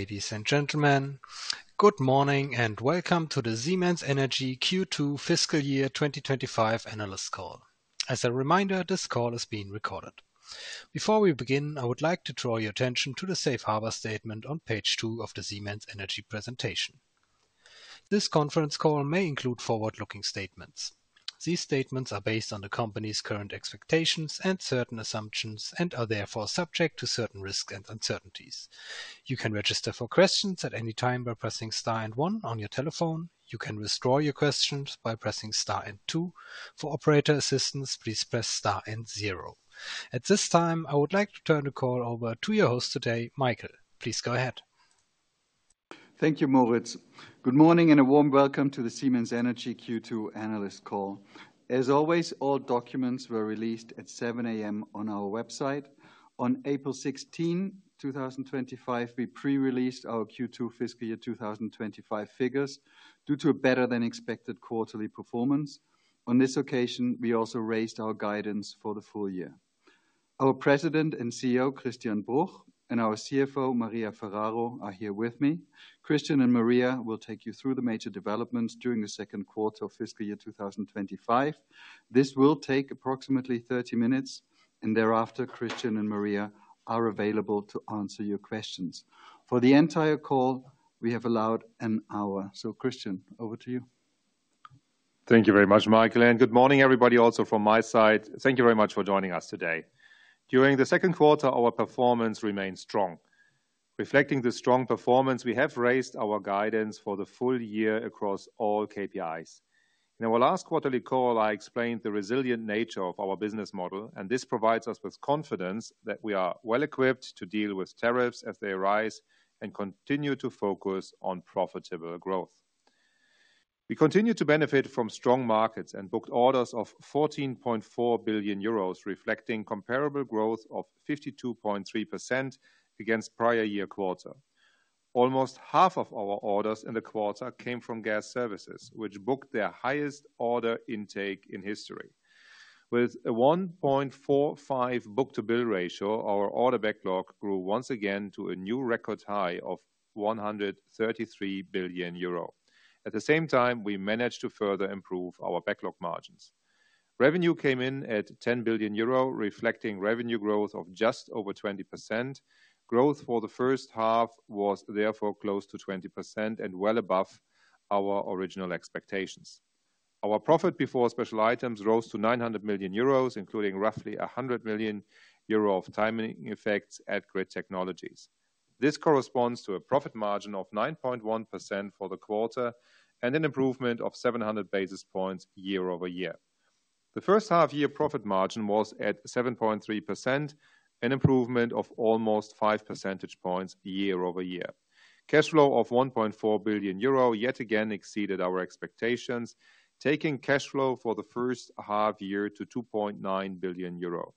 Ladies and gentlemen, good morning and welcome to the Siemens Energy Q2 Fiscal Year 2025 Analyst Call. As a reminder, this call is being recorded. Before we begin, I would like to draw your attention to the Safe Harbor Statement on Page 2 of the Siemens Energy presentation. This conference call may include forward-looking statements. These statements are based on the company's current expectations and certain assumptions and are therefore subject to certain risks and uncertainties. You can register for questions at any time by pressing star and one on your telephone. You can withdraw your questions by pressing star and two. For operator assistance, please press star and zero. At this time, I would like to turn the call over to your host today, Michael. Please go ahead. Thank you, Moritz. Good morning and a warm welcome to the Siemens Energy Q2 analyst call. As always, all documents were released at 7:00 A.M. on our website. On April 16, 2025, we pre-released our Q2 fiscal year 2025 figures due to a better-than-expected quarterly performance. On this occasion, we also raised our guidance for the full year. Our President and CEO, Christian Bruch, and our CFO, Maria Ferraro, are here with me. Christian and Maria will take you through the major developments during the second quarter of fiscal year 2025. This will take approximately 30 minutes, and thereafter, Christian and Maria are available to answer your questions. For the entire call, we have allowed an hour. Christian, over to you. Thank you very much, Michael, and good morning, everybody also from my side. Thank you very much for joining us today. During the second quarter, our performance remained strong. Reflecting the strong performance, we have raised our guidance for the full year across all KPIs. In our last quarterly call, I explained the resilient nature of our business model, and this provides us with confidence that we are well-equipped to deal with tariffs as they arise and continue to focus on profitable growth. We continue to benefit from strong markets and booked orders of 14.4 billion euros, reflecting comparable growth of 52.3% against prior-year quarter. Almost half of our orders in the quarter came from gas services, which booked their highest order intake in history. With a 1.45 book-to-bill ratio, our order backlog grew once again to a new record high of 133 billion euro. At the same time, we managed to further improve our backlog margins. Revenue came in at 10 billion euro, reflecting revenue growth of just over 20%. Growth for the first half was therefore close to 20% and well above our original expectations. Our profit before special items rose to 900 million euros, including roughly 100 million euro of timing effects at Grid Technologies. This corresponds to a profit margin of 9.1% for the quarter and an improvement of 700 basis points year-over-year. The first half-year profit margin was at 7.3%, an improvement of almost 5 percentage points year-over-year. Cash flow of 1.4 billion euro yet again exceeded our expectations, taking cash flow for the first half-year to 2.9 billion euro.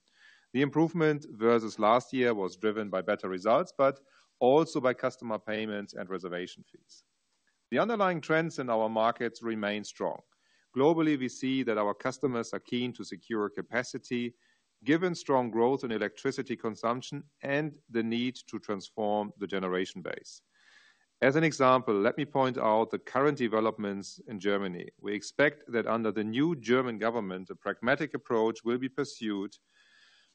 The improvement versus last year was driven by better results, but also by customer payments and reservation fees. The underlying trends in our markets remain strong. Globally, we see that our customers are keen to secure capacity, given strong growth in electricity consumption and the need to transform the generation base. As an example, let me point out the current developments in Germany. We expect that under the new German government, a pragmatic approach will be pursued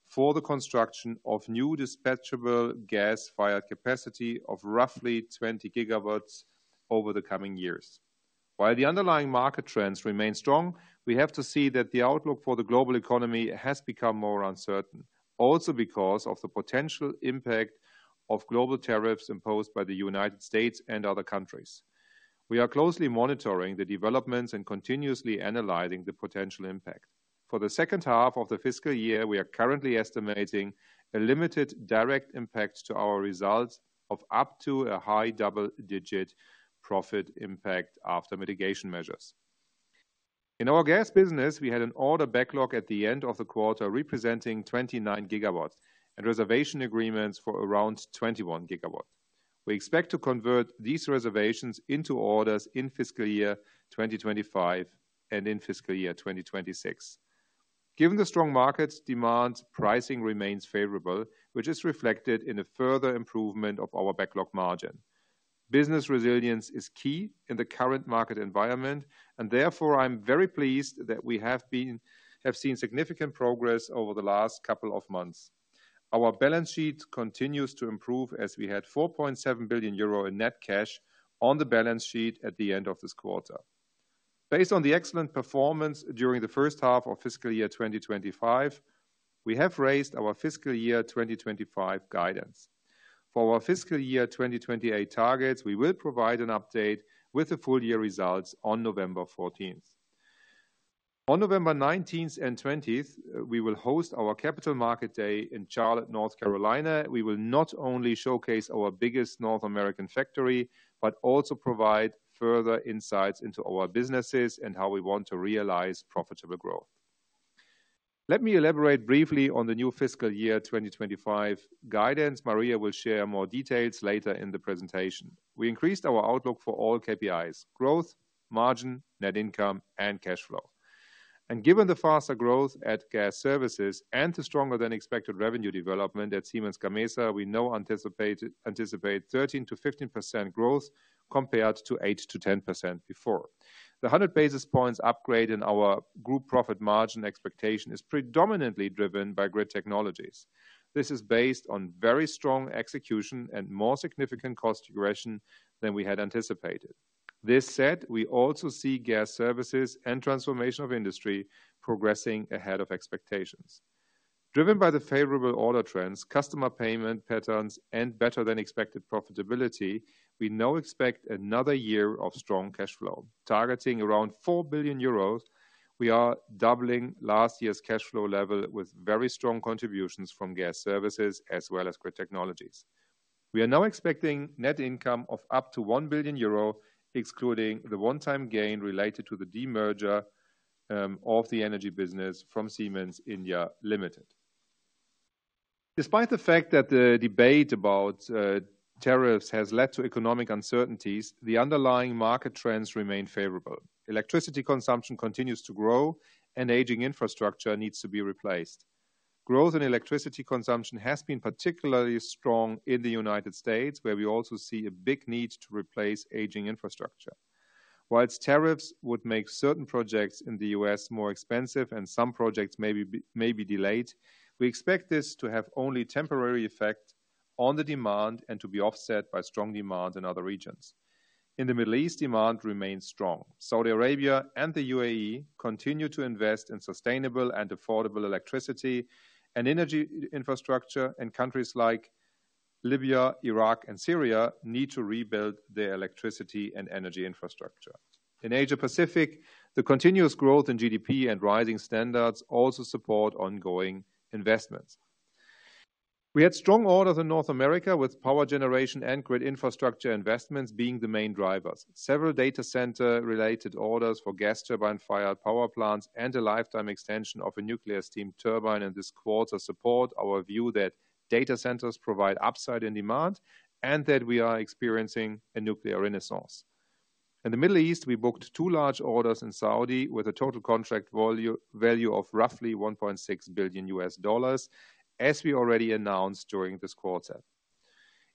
for the construction of new dispatchable gas-fired capacity of roughly 20 gigawatts over the coming years. While the underlying market trends remain strong, we have to see that the outlook for the global economy has become more uncertain, also because of the potential impact of global tariffs imposed by the United States and other countries. We are closely monitoring the developments and continuously analyzing the potential impact. For the second half of the fiscal year, we are currently estimating a limited direct impact to our results of up to a high double-digit profit impact after mitigation measures. In our Gas business, we had an order backlog at the end of the quarter representing 29 gigawatts and reservation agreements for around 21 gigawatts. We expect to convert these reservations into orders in fiscal year 2025 and in fiscal year 2026. Given the strong market demand, pricing remains favorable, which is reflected in a further improvement of our backlog margin. Business resilience is key in the current market environment, and therefore I'm very pleased that we have seen significant progress over the last couple of months. Our balance sheet continues to improve as we had 4.7 billion euro in net cash on the balance sheet at the end of this quarter. Based on the excellent performance during the first half of fiscal year 2025, we have raised our fiscal year 2025 guidance. For our fiscal year 2028 targets, we will provide an update with the full-year results on November 14. On November 19 and 20, we will host our Capital Market Day in Charlotte, North Carolina. We will not only showcase our biggest North American factory, but also provide further insights into our businesses and how we want to realize profitable growth. Let me elaborate briefly on the new fiscal year 2025 guidance. Maria will share more details later in the presentation. We increased our outlook for all KPIs: growth, margin, net income, and cash flow. Given the faster growth at Gas Services and the stronger-than-expected revenue development at Siemens Gamesa, we now anticipate 13%-15% growth compared to 8%-10% before. The 100 basis points upgrade in our group profit margin expectation is predominantly driven by Grid Technologies. This is based on very strong execution and more significant cost regression than we had anticipated. This said, we also see Gas Services and Transformation of Industry progressing ahead of expectations. Driven by the favorable order trends, customer payment patterns, and better-than-expected profitability, we now expect another year of strong cash flow. Targeting around 4 billion euros, we are doubling last year's cash flow level with very strong contributions from Gas Services as well as Grid Technologies. We are now expecting net income of up to 1 billion euro, excluding the one-time gain related to the demerger of the Energy business from Siemens India Limited. Despite the fact that the debate about tariffs has led to economic uncertainties, the underlying market trends remain favorable. Electricity consumption continues to grow, and aging infrastructure needs to be replaced. Growth in electricity consumption has been particularly strong in the United States, where we also see a big need to replace aging infrastructure. While tariffs would make certain projects in the U.S. more expensive and some projects may be delayed, we expect this to have only a temporary effect on the demand and to be offset by strong demand in other regions. In the Middle East, demand remains strong. Saudi Arabia and the U.A.E. continue to invest in sustainable and affordable electricity, and energy infrastructure in countries like Libya, Iraq, and Syria need to rebuild their electricity and energy infrastructure. In Asia-Pacific, the continuous growth in GDP and rising standards also support ongoing investments. We had strong orders in North America, with power generation and grid infrastructure investments being the main drivers. Several data center-related orders for gas turbine-fired power plants and a lifetime extension of a nuclear steam turbine in this quarter support our view that data centers provide upside in demand and that we are experiencing a nuclear renaissance. In the Middle East, we booked two large orders in Saudi with a total contract value of roughly $1.6 billion, as we already announced during this quarter.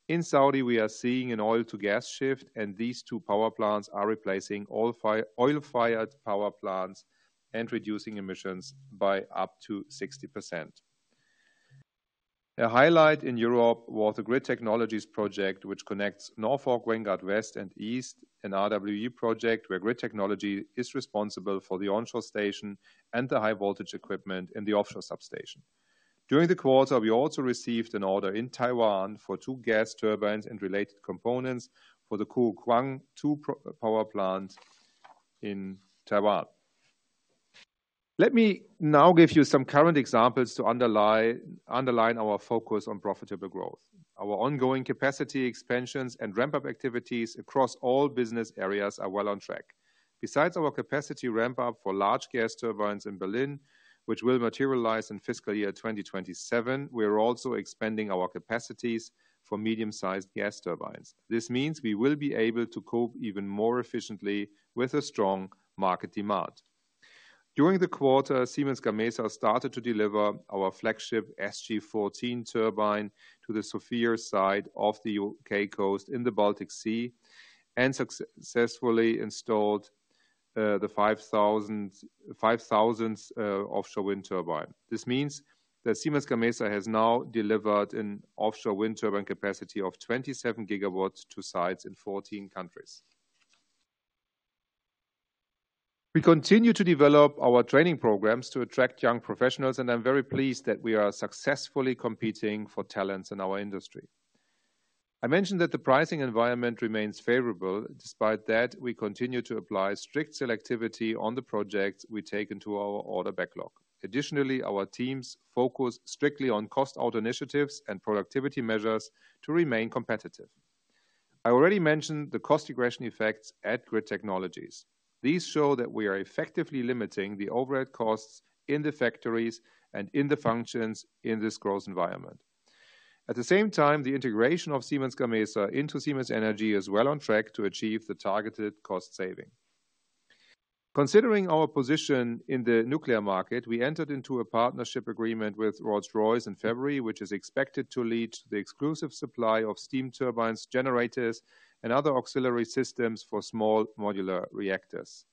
In Saudi, we are seeing an oil-to-gas shift, and these two power plants are replacing oil-fired power plants and reducing emissions by up to 60%. A highlight in Europe was the Grid Technologies project, which connects Norfolk-Wengart West and East, an RWE project where Grid Technologies is responsible for the onshore station and the high-voltage equipment in the offshore substation. During the quarter, we also received an order in Taiwan for two gas turbines and related components for the Kwu Kwang-2 power plant in Taiwan. Let me now give you some current examples to underline our focus on profitable growth. Our ongoing capacity expansions and ramp-up activities across all business areas are well on track. Besides our capacity ramp-up for large gas turbines in Berlin, which will materialize in fiscal year 2027, we are also expanding our capacities for medium-sized gas turbines. This means we will be able to cope even more efficiently with a strong market demand. During the quarter, Siemens Gamesa started to deliver our flagship SG-14 turbine to the Sapphire side of the U.K. coast in the Baltic Sea and successfully installed the 5,000th offshore wind turbine. This means that Siemens Gamesa has now delivered an offshore wind turbine capacity of 27 gigawatts to sites in 14 countries. We continue to develop our training programs to attract young professionals, and I'm very pleased that we are successfully competing for talents in our industry. I mentioned that the pricing environment remains favorable. Despite that, we continue to apply strict selectivity on the projects we take into our order backlog. Additionally, our teams focus strictly on cost-out initiatives and productivity measures to remain competitive. I already mentioned the cost regression effects at Grid Technologies. These show that we are effectively limiting the overhead costs in the factories and in the functions in this growth environment. At the same time, the integration of Siemens Gamesa into Siemens Energy is well on track to achieve the targeted cost saving. Considering our position in the nuclear market, we entered into a partnership agreement with Rolls-Royce in February, which is expected to lead to the exclusive supply of steam turbines, generators, and other auxiliary systems for small modular reactors.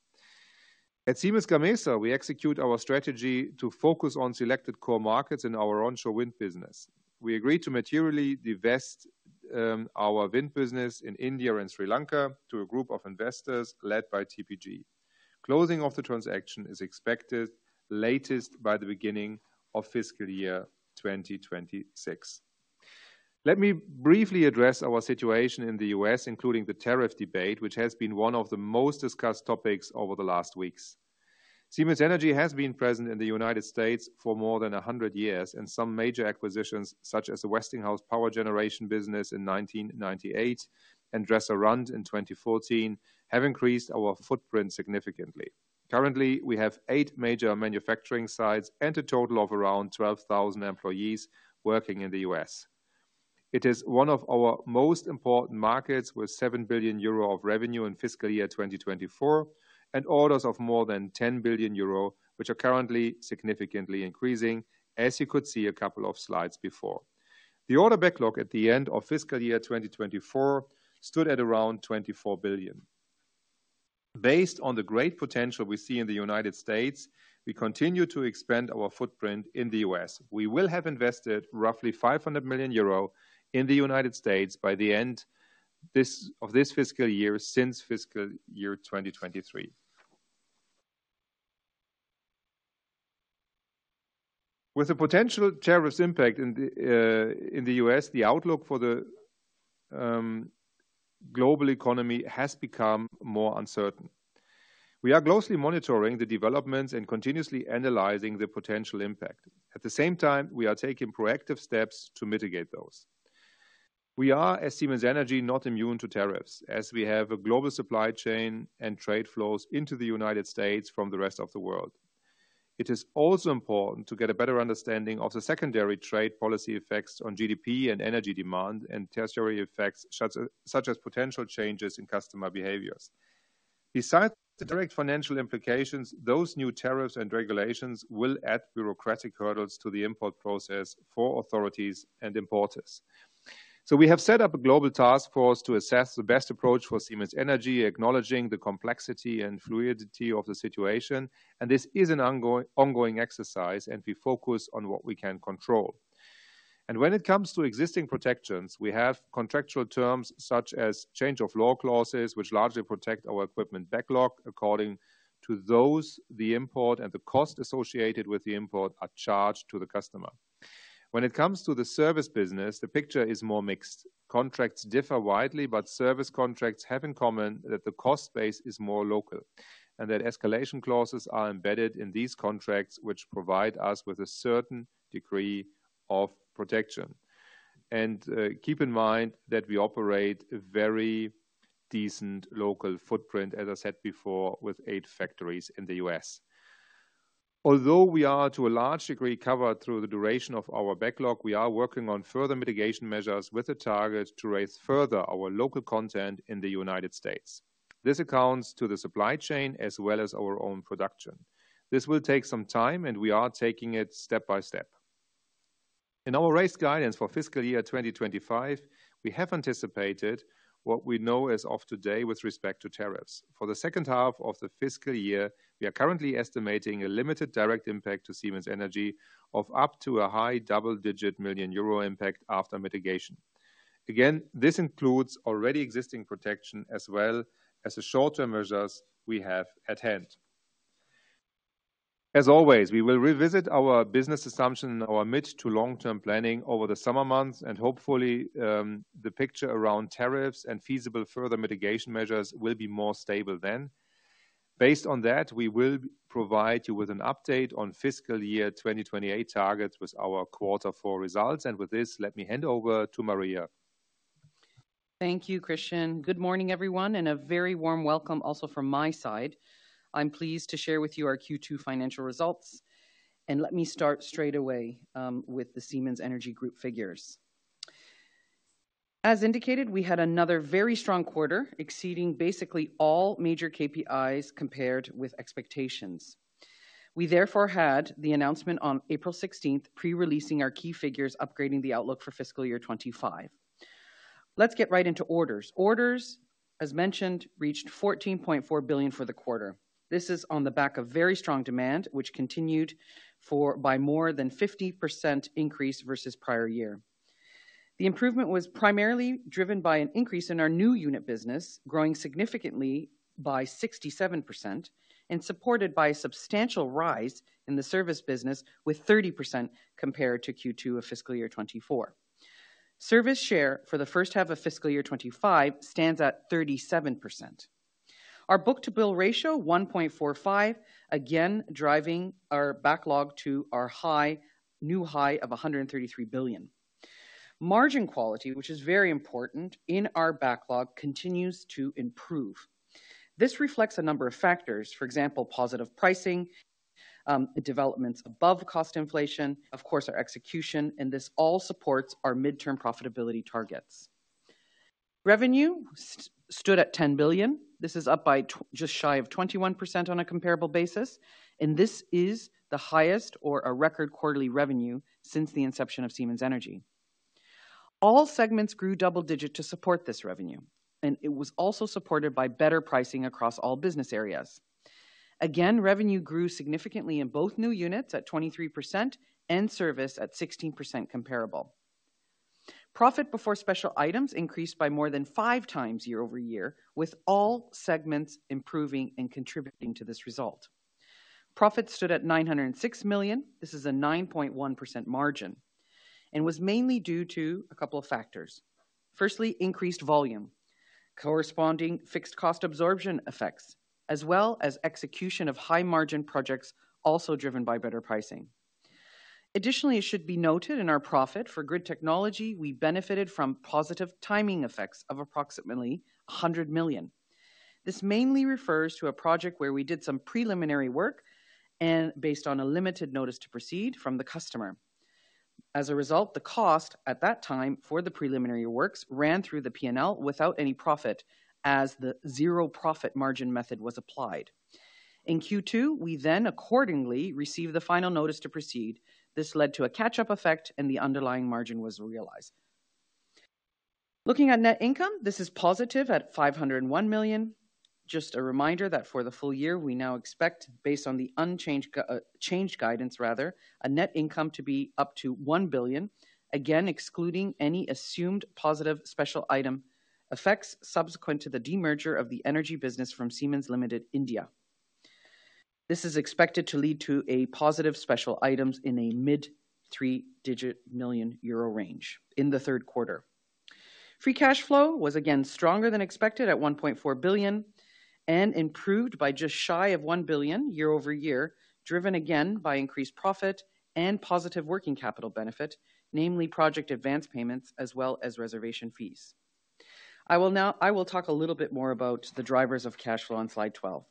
At Siemens Gamesa, we execute our strategy to focus on selected core markets in our onshore wind business. We agreed to materially divest our wind business in India and Sri Lanka to a group of investors led by TPG. Closing of the transaction is expected latest by the beginning of fiscal year 2026. Let me briefly address our situation in the U.S., including the tariff debate, which has been one of the most discussed topics over the last weeks. Siemens Energy has been present in the United States for more than 100 years, and some major acquisitions, such as the Westinghouse power generation business in 1998 and Dresser-Rand in 2014, have increased our footprint significantly. Currently, we have eight major manufacturing sites and a total of around 12,000 employees working in the U.S. It is one of our most important markets, with 7 billion euro of revenue in fiscal year 2024 and orders of more than 10 billion euro, which are currently significantly increasing, as you could see a couple of slides before. The order backlog at the end of fiscal year 2024 stood at around 24 billion. Based on the great potential we see in the United States, we continue to expand our footprint in the U.S. We will have invested roughly 500 million euro in the United States by the end of this fiscal year since fiscal year 2023. With the potential tariffs impact in the U.S., the outlook for the global economy has become more uncertain. We are closely monitoring the developments and continuously analyzing the potential impact. At the same time, we are taking proactive steps to mitigate those. We are, as Siemens Energy, not immune to tariffs, as we have a global supply chain and trade flows into the United States from the rest of the world. It is also important to get a better understanding of the secondary trade policy effects on GDP and energy demand and tertiary effects such as potential changes in customer behaviors. Besides the direct financial implications, those new tariffs and regulations will add bureaucratic hurdles to the import process for authorities and importers. We have set up a global task force to assess the best approach for Siemens Energy, acknowledging the complexity and fluidity of the situation. This is an ongoing exercise, and we focus on what we can control. When it comes to existing protections, we have contractual terms such as change-of-law clauses, which largely protect our equipment backlog. According to those, the import and the cost associated with the import are charged to the customer. When it comes to the service business, the picture is more mixed. Contracts differ widely, but service contracts have in common that the cost base is more local and that escalation clauses are embedded in these contracts, which provide us with a certain degree of protection. Keep in mind that we operate a very decent local footprint, as I said before, with eight factories in the U.S. Although we are to a large degree covered through the duration of our backlog, we are working on further mitigation measures with a target to raise further our local content in the United States. This accounts to the supply chain as well as our own production. This will take some time, and we are taking it step-by-step. In our raised guidance for fiscal year 2025, we have anticipated what we know as of today with respect to tariffs. For the second half of the fiscal year, we are currently estimating a limited direct impact to Siemens Energy of up to a high double-digit million euro impact after mitigation. Again, this includes already existing protection as well as the shorter measures we have at hand. As always, we will revisit our business assumption in our mid-to-long-term planning over the summer months, and hopefully the picture around tariffs and feasible further mitigation measures will be more stable then. Based on that, we will provide you with an update on fiscal year 2028 targets with our quarter four results. With this, let me hand over to Maria. Thank you, Christian. Good morning, everyone, and a very warm welcome also from my side. I'm pleased to share with you our Q2 financial results. Let me start straight away with the Siemens Energy Group figures. As indicated, we had another very strong quarter, exceeding basically all major KPIs compared with expectations. We therefore had the announcement on April 16, pre-releasing our key figures, upgrading the outlook for fiscal year 2025. Let's get right into orders. Orders, as mentioned, reached 14.4 billion for the quarter. This is on the back of very strong demand, which continued by more than a 50% increase versus the prior year. The improvement was primarily driven by an increase in our new unit business, growing significantly by 67% and supported by a substantial rise in the service business with 30% compared to Q2 of fiscal year 2024. Service share for the first half of fiscal year 2025 stands at 37%. Our book-to-bill ratio, 1.45, again driving our backlog to our new high of 133 billion. Margin quality, which is very important in our backlog, continues to improve. This reflects a number of factors, for example, positive pricing, developments above cost inflation, of course, our execution, and this all supports our mid-term profitability targets. Revenue stood at 10 billion. This is up by just shy of 21% on a comparable basis. This is the highest or a record quarterly revenue since the inception of Siemens Energy. All segments grew double-digit to support this revenue. It was also supported by better pricing across all business areas. Revenue grew significantly in both new units at 23% and service at 16% comparable. Profit before special items increased by more than five times year-over-year, with all segments improving and contributing to this result. Profit stood at 906 million. This is a 9.1% margin and was mainly due to a couple of factors. Firstly, increased volume, corresponding fixed cost absorption effects, as well as execution of high-margin projects also driven by better pricing. Additionally, it should be noted in our profit for Grid Technology, we benefited from positive timing effects of approximately 100 million. This mainly refers to a project where we did some preliminary work and based on a limited notice to proceed from the customer. As a result, the cost at that time for the preliminary works ran through the P&L without any profit as the zero profit margin method was applied. In Q2, we then accordingly received the final notice to proceed. This led to a catch-up effect, and the underlying margin was realized. Looking at net income, this is positive at 501 million. Just a reminder that for the full year, we now expect, based on the unchanged guidance, rather, a net income to be up to 1 billion, again excluding any assumed positive special item effects subsequent to the demerger of the Energy business from Siemens India Limited. This is expected to lead to a positive special items in a mid-three-digit million euro range in the third quarter. Free cash flow was again stronger than expected at 1.4 billion and improved by just shy of 1 billion year-over-year, driven again by increased profit and positive working capital benefit, namely project advance payments as well as reservation fees. I will talk a little bit more about the drivers of cash flow on Slide 12.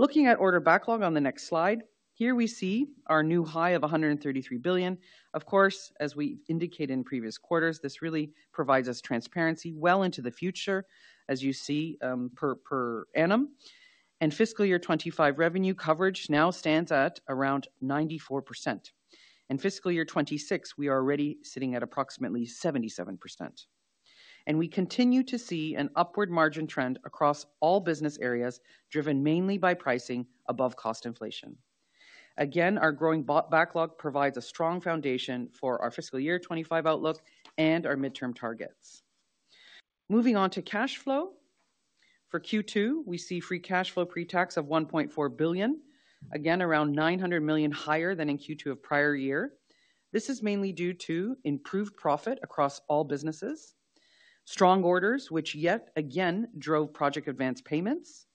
Looking at order backlog on the next slide, here we see our new high of 133 billion. Of course, as we indicated in previous quarters, this really provides us transparency well into the future, as you see per annum. Fiscal year 2025 revenue coverage now stands at around 94%. Fiscal year 2026, we are already sitting at approximately 77%. We continue to see an upward margin trend across all business areas, driven mainly by pricing above cost inflation. Again, our growing backlog provides a strong foundation for our fiscal year 2025 outlook and our mid-term targets. Moving on to cash flow. For Q2, we see free cash flow pre-tax of 1.4 billion, again around 900 million higher than in Q2 of prior year. This is mainly due to improved profit across all businesses, strong orders, which yet again drove project advance payments.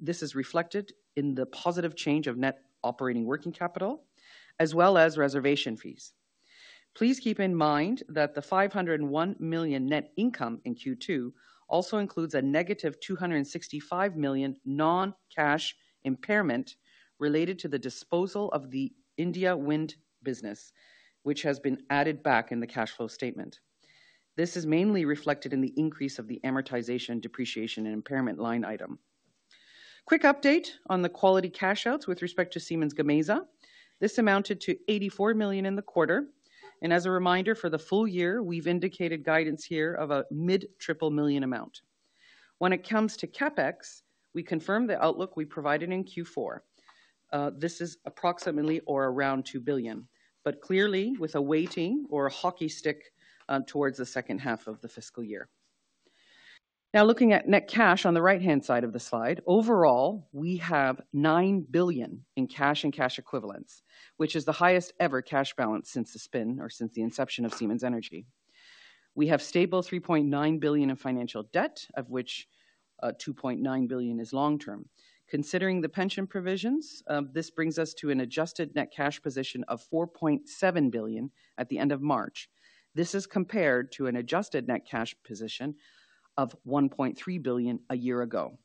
This is reflected in the positive change of net operating working capital, as well as reservation fees. Please keep in mind that the 501 million net income in Q2 also includes a negative 265 million non-cash impairment related to the disposal of the India wind business, which has been added back in the cash flow statement. This is mainly reflected in the increase of the amortization, depreciation, and impairment line item. Quick update on the quality cash outs with respect to Siemens Gamesa. This amounted to 84 million in the quarter. As a reminder for the full year, we've indicated guidance here of a mid-triple million amount. When it comes to CapEx, we confirmed the outlook we provided in Q4. This is approximately or around 2 billion, but clearly with a weighting or a hockey stick towards the second half of the fiscal year. Now, looking at net cash on the right-hand side of the slide, overall, we have 9 billion in cash and cash equivalents, which is the highest ever cash balance since the spin or since the inception of Siemens Energy. We have stable 3.9 billion in financial debt, of which 2.9 billion is long-term. Considering the pension provisions, this brings us to an adjusted net cash position of 4.7 billion at the end of March. This is compared to an adjusted net cash position of 1.3 billion a year ago.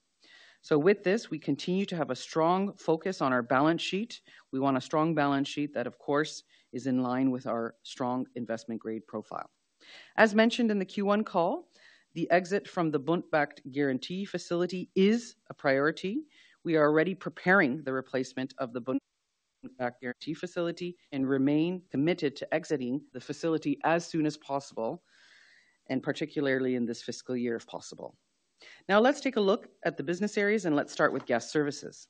With this, we continue to have a strong focus on our balance sheet. We want a strong balance sheet that, of course, is in line with our strong investment grade profile. As mentioned in the Q1 call, the exit from the Bund-Backed Guarantee Facility is a priority. We are already preparing the replacement of the Bund-Backed Guarantee Facility and remain committed to exiting the facility as soon as possible, particularly in this fiscal year, if possible. Now, let's take a look at the business areas, and let's start with Gas Services.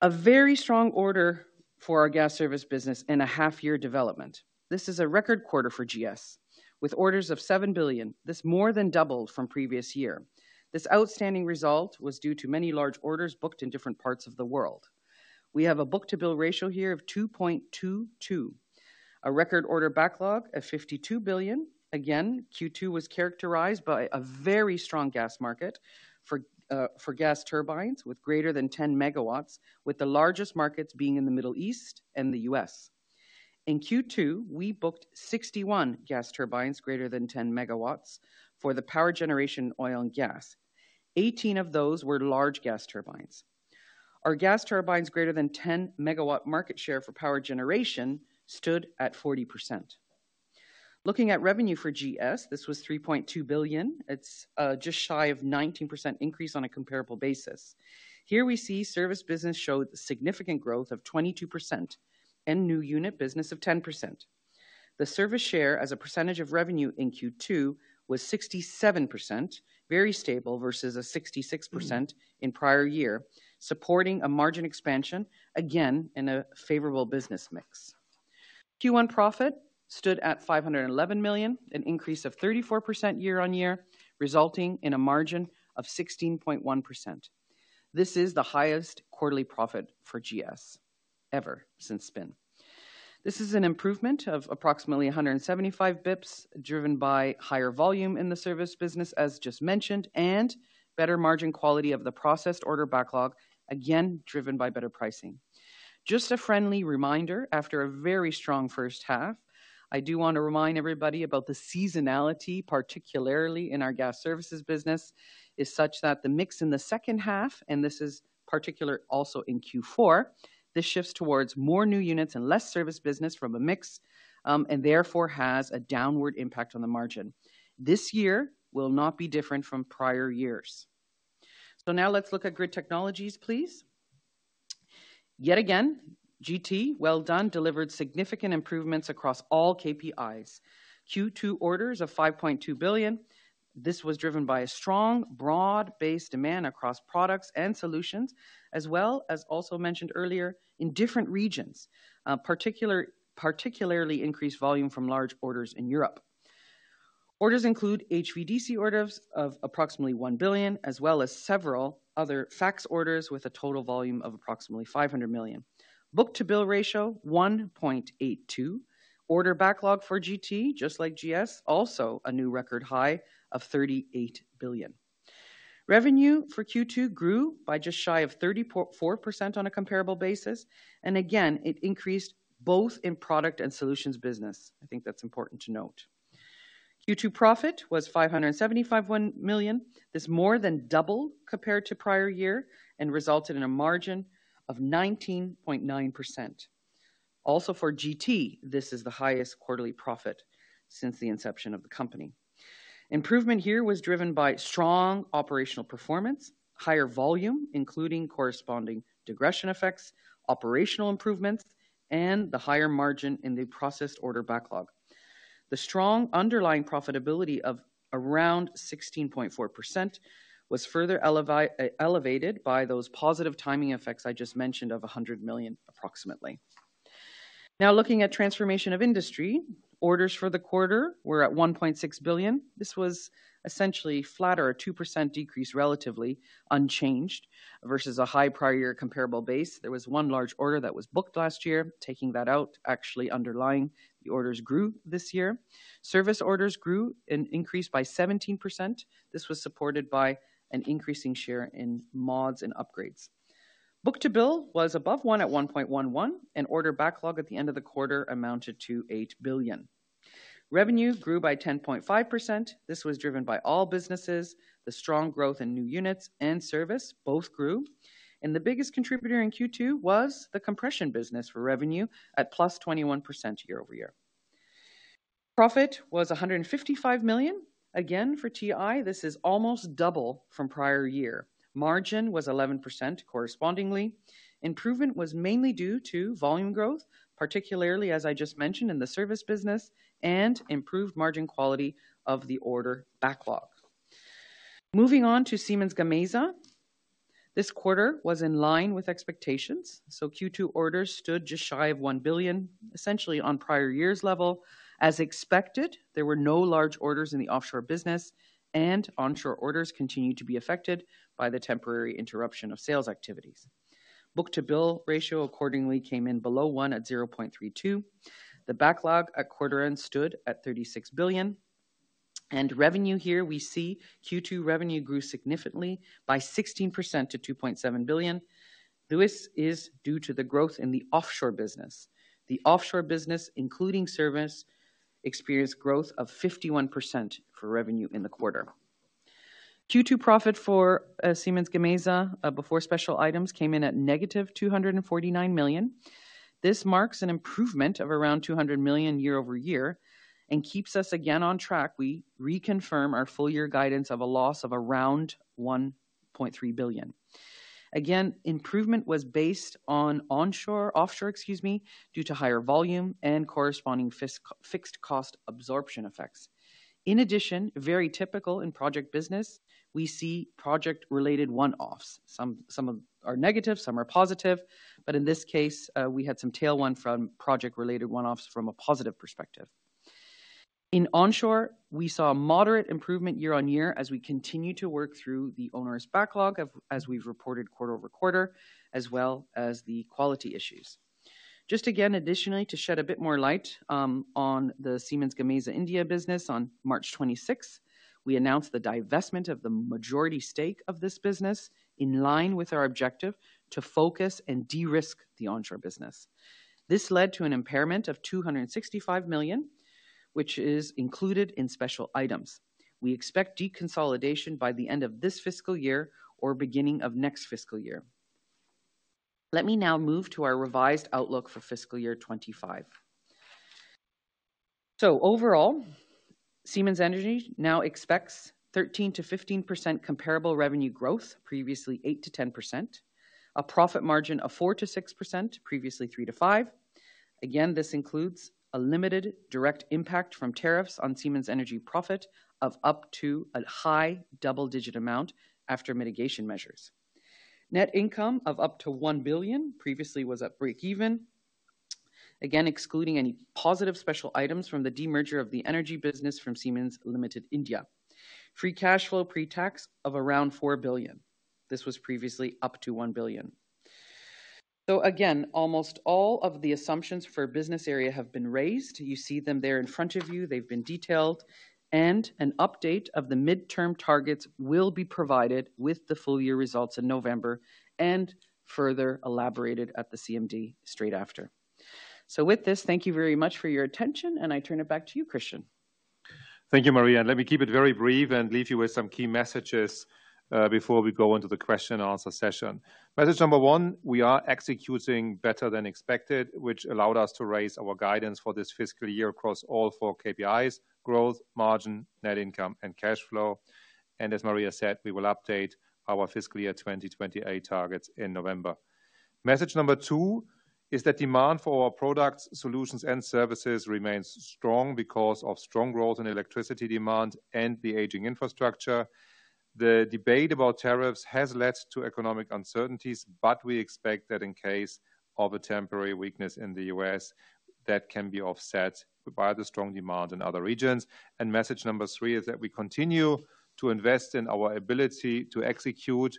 A very strong order for our Gas Service business in a half-year development. This is a record quarter for GS, with orders of 7 billion. This more than doubled from previous year. This outstanding result was due to many large orders booked in different parts of the world. We have a book-to-bill ratio here of 2.22, a record order backlog of 52 billion. Again, Q2 was characterized by a very strong gas market for gas turbines with greater than 10 megawatts, with the largest markets being in the Middle East and the U.S. In Q2, we booked 61 gas turbines greater than 10 megawatts for the power generation oil and gas. 18 of those were large gas turbines. Our gas turbines greater than 10 megawatt market share for power generation stood at 40%. Looking at revenue for GS, this was 3.2 billion. It's just shy of a 19% increase on a comparable basis. Here we see service business showed significant growth of 22% and new unit business of 10%. The service share as a percentage of revenue in Q2 was 67%, very stable versus a 66% in prior year, supporting a margin expansion, again in a favorable business mix. Q1 profit stood at $511 million, an increase of 34% year-on-year, resulting in a margin of 16.1%. This is the highest quarterly profit for GS ever since spin. This is an improvement of approximately 175 basis points, driven by higher volume in the service business, as just mentioned, and better margin quality of the processed order backlog, again driven by better pricing. Just a friendly reminder after a very strong first half. I do want to remind everybody about the seasonality, particularly in our Gas Services business, is such that the mix in the second half, and this is particular also in Q4, this shifts towards more new units and less service business from a mix and therefore has a downward impact on the margin. This year will not be different from prior years. Now let's look at Grid Technologies, please. Yet again, GT, well done, delivered significant improvements across all KPIs. Q2 orders of 5.2 billion. This was driven by a strong, broad-based demand across products and solutions, as well as, also mentioned earlier, in different regions, particularly increased volume from large orders in Europe. Orders include HVDC orders of approximately 1 billion, as well as several other FACTS orders with a total volume of approximately 500 million. Book-to-bill ratio 1.82. Order backlog for GT, just like GS, also a new record high of 38 billion. Revenue for Q2 grew by just shy of 34% on a comparable basis. It increased both in product and solutions business. I think that's important to note. Q2 profit was 575 million. This more than doubled compared to prior year and resulted in a margin of 19.9%. Also for GT, this is the highest quarterly profit since the inception of the company. Improvement here was driven by strong operational performance, higher volume, including corresponding digression effects, operational improvements, and the higher margin in the processed order backlog. The strong underlying profitability of around 16.4% was further elevated by those positive timing effects I just mentioned of 100 million, approximately. Now, looking at transformation of industry, orders for the quarter were at 1.6 billion. This was essentially flat or a 2% decrease, relatively unchanged versus a high prior-year comparable base. There was one large order that was booked last year. Taking that out, actually underlying the orders grew this year. Service orders grew and increased by 17%. This was supported by an increasing share in mods and upgrades. Book-to-bill was above one at 1.11, and order backlog at the end of the quarter amounted to 8 billion. Revenue grew by 10.5%. This was driven by all businesses. The strong growth in new units and service both grew. The biggest contributor in Q2 was the compression business for revenue at +21% year-over-year. Profit was 155 million. Again, for TI, this is almost double from prior year. Margin was 11% correspondingly. Improvement was mainly due to volume growth, particularly, as I just mentioned, in the service business and improved margin quality of the order backlog. Moving on to Siemens Gamesa. This quarter was in line with expectations. Q2 orders stood just shy of $1 billion, essentially on prior year's level. As expected, there were no large orders in the offshore business, and onshore orders continued to be affected by the temporary interruption of sales activities. Book-to-bill ratio accordingly came in below one at 0.32. The backlog at quarter-end stood at 36 billion. Revenue here, we see Q2 revenue grew significantly by 16% to 2.7 billion. This is due to the growth in the offshore business. The offshore business, including service, experienced growth of 51% for revenue in the quarter. Q2 profit for Siemens Gamesa before special items came in at negative 249 million. This marks an improvement of around 200 million year-over-year and keeps us again on track. We reconfirm our full year guidance of a loss of around 1.3 billion. Again, improvement was based on offshore, excuse me, due to higher volume and corresponding fixed cost absorption effects. In addition, very typical in project business, we see project-related one-offs. Some are negative, some are positive, but in this case, we had some tail one from project-related one-offs from a positive perspective. In onshore, we saw moderate improvement year-on-year as we continue to work through the onerous backlog, as we've reported quarter over quarter, as well as the quality issues. Just again, additionally, to shed a bit more light on the Siemens Gamesa India business, on March 26th, we announced the divestment of the majority stake of this business in line with our objective to focus and de-risk the onshore business. This led to an impairment of 265 million, which is included in special items. We expect deconsolidation by the end of this fiscal year or beginning of next fiscal year. Let me now move to our revised outlook for fiscal year 2025. Overall, Siemens Energy now expects 13%-15% comparable revenue growth, previously 8-10%, a profit margin of 4%-6%, previously 3%-5%. Again, this includes a limited direct impact from tariffs on Siemens Energy profit of up to a high double-digit amount after mitigation measures. Net income of up to 1 billion previously was at break-even, again excluding any positive special items from the demerger of the energy business from Siemens India Limited. Free cash flow pre-tax of around 4 billion. This was previously up to 1 billion. Almost all of the assumptions for business area have been raised. You see them there in front of you. They have been detailed. An update of the midterm targets will be provided with the full year results in November and further elaborated at the CMD straight after. With this, thank you very much for your attention, and I turn it back to you, Christian. Thank you, Maria. Let me keep it very brief and leave you with some key messages before we go into the question-and-answer session. Message number one, we are executing better than expected, which allowed us to raise our guidance for this fiscal year across all four KPIs: growth, margin, net income, and cash flow. As Maria said, we will update our fiscal year 2028 targets in November. Message number two is that demand for our products, solutions, and services remains strong because of strong growth in electricity demand and the aging infrastructure. The debate about tariffs has led to economic uncertainties, but we expect that in case of a temporary weakness in the U.S., that can be offset by the strong demand in other regions. Message number three is that we continue to invest in our ability to execute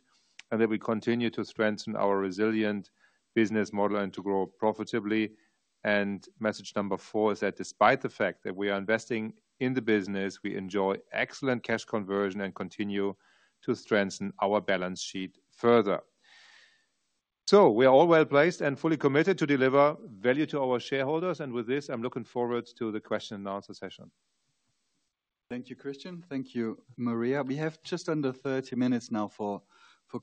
and that we continue to strengthen our resilient business model and to grow profitably. Message number four is that despite the fact that we are investing in the business, we enjoy excellent cash conversion and continue to strengthen our balance sheet further. We are all well placed and fully committed to deliver value to our shareholders. With this, I am looking forward to the question-and-answer session. Thank you, Christian. Thank you, Maria. We have just under 30 minutes now for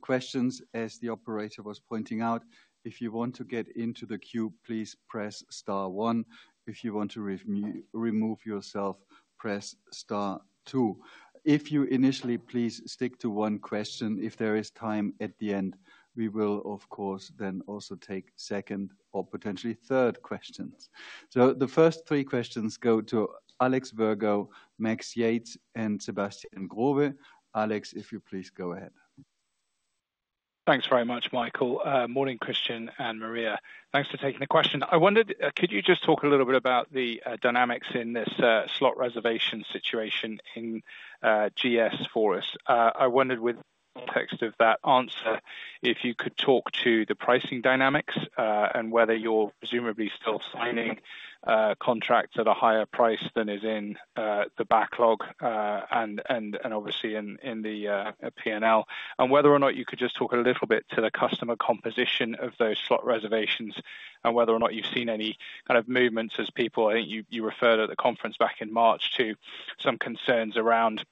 questions. As the operator was pointing out, if you want to get into the queue, please press star one. If you want to remove yourself, press star two. Initially, please stick to one question. If there is time at the end, we will, of course, then also take second or potentially third questions. The first three questions go to Alex Virgo, Max Yates, and Sebastian Growe. Alex, if you please go ahead. Thanks very much, Michael. Morning, Christian and Maria. Thanks for taking the question. I wondered, could you just talk a little bit about the dynamics in this slot reservation situation in GS for us? I wondered with the context of that answer if you could talk to the pricing dynamics and whether you're presumably still signing contracts at a higher price than is in the backlog and obviously in the P&L, and whether or not you could just talk a little bit to the customer composition of those slot reservations and whether or not you've seen any kind of movements as people, I think you referred at the conference back in March to some concerns around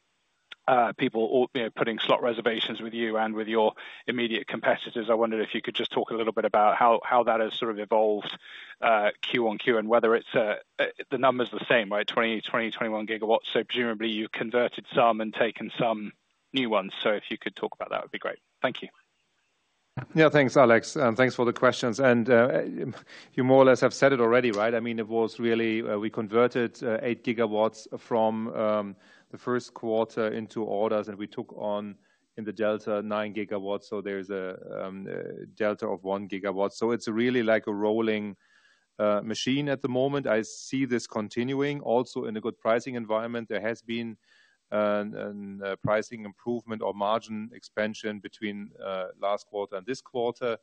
people putting slot reservations with you and with your immediate competitors. I wondered if you could just talk a little bit about how that has sort of evolved Q-on-Q and whether the number is the same, right? 20 to 21 gigawatts. Presumably you have converted some and taken some new ones. If you could talk about that, it would be great. Thank you. Yeah, thanks, Alex. Thanks for the questions. You more or less have said it already, right? I mean, it was really we converted eight gigawatts from the first quarter into orders, and we took on in the delta nine gigawatts. There is a delta of one gigawatt. It is really like a rolling machine at the moment. I see this continuing also in a good pricing environment. There has been a pricing improvement or margin expansion between last quarter and this quarter.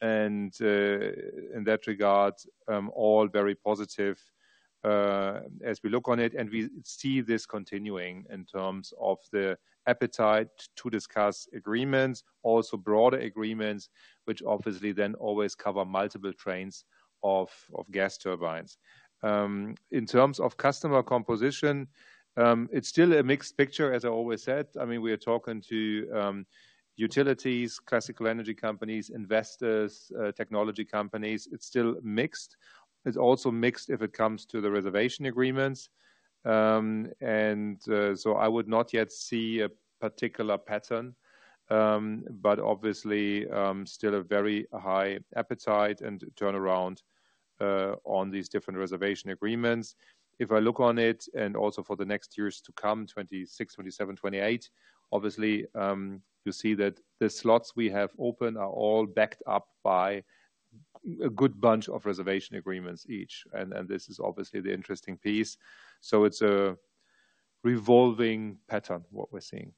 In that regard, all very positive as we look on it. We see this continuing in terms of the appetite to discuss agreements, also broader agreements, which obviously then always cover multiple trains of gas turbines. In terms of customer composition, it's still a mixed picture, as I always said. I mean, we are talking to utilities, classical energy companies, investors, technology companies. It's still mixed. It's also mixed if it comes to the reservation agreements. I would not yet see a particular pattern, but obviously still a very high appetite and turnaround on these different reservation agreements. If I look on it and also for the next years to come, 2026, 2027, 2028, obviously you see that the slots we have open are all backed up by a good bunch of reservation agreements each. This is obviously the interesting piece. It's a revolving pattern what we're seeing.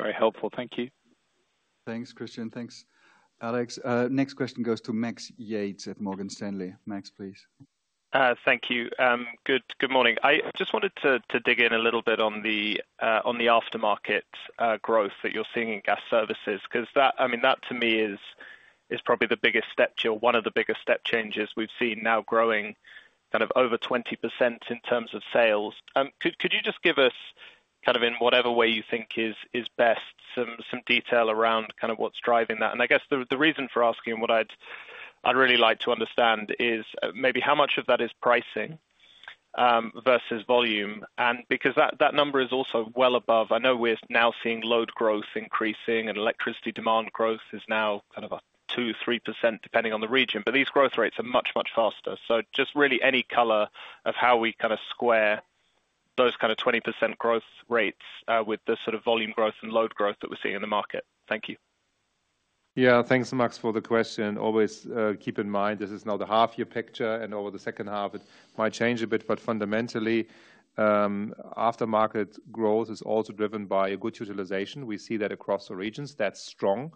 Very helpful. Thank you. Thanks, Christian. Thanks, Alex. Next question goes to Max Yates at Morgan Stanley. Max, please. Thank you. Good morning. I just wanted to dig in a little bit on the aftermarket growth that you're seeing in gas services, because that, I mean, that to me is probably the biggest step, one of the biggest step changes we've seen now growing kind of over 20% in terms of sales. Could you just give us kind of in whatever way you think is best some detail around kind of what's driving that? I guess the reason for asking and what I'd really like to understand is maybe how much of that is pricing versus volume. That number is also well above, I know we're now seeing load growth increasing and electricity demand growth is now kind of 2%-3% depending on the region, but these growth rates are much, much faster. So just really any color of how we kind of square those kind of 20% growth rates with the sort of volume growth and load growth that we're seeing in the market. Thank you. Yeah, thanks so much for the question. Always keep in mind this is not a half-year picture and over the second half, it might change a bit, but fundamentally, aftermarket growth is also driven by good utilization. We see that across the regions. That's strong.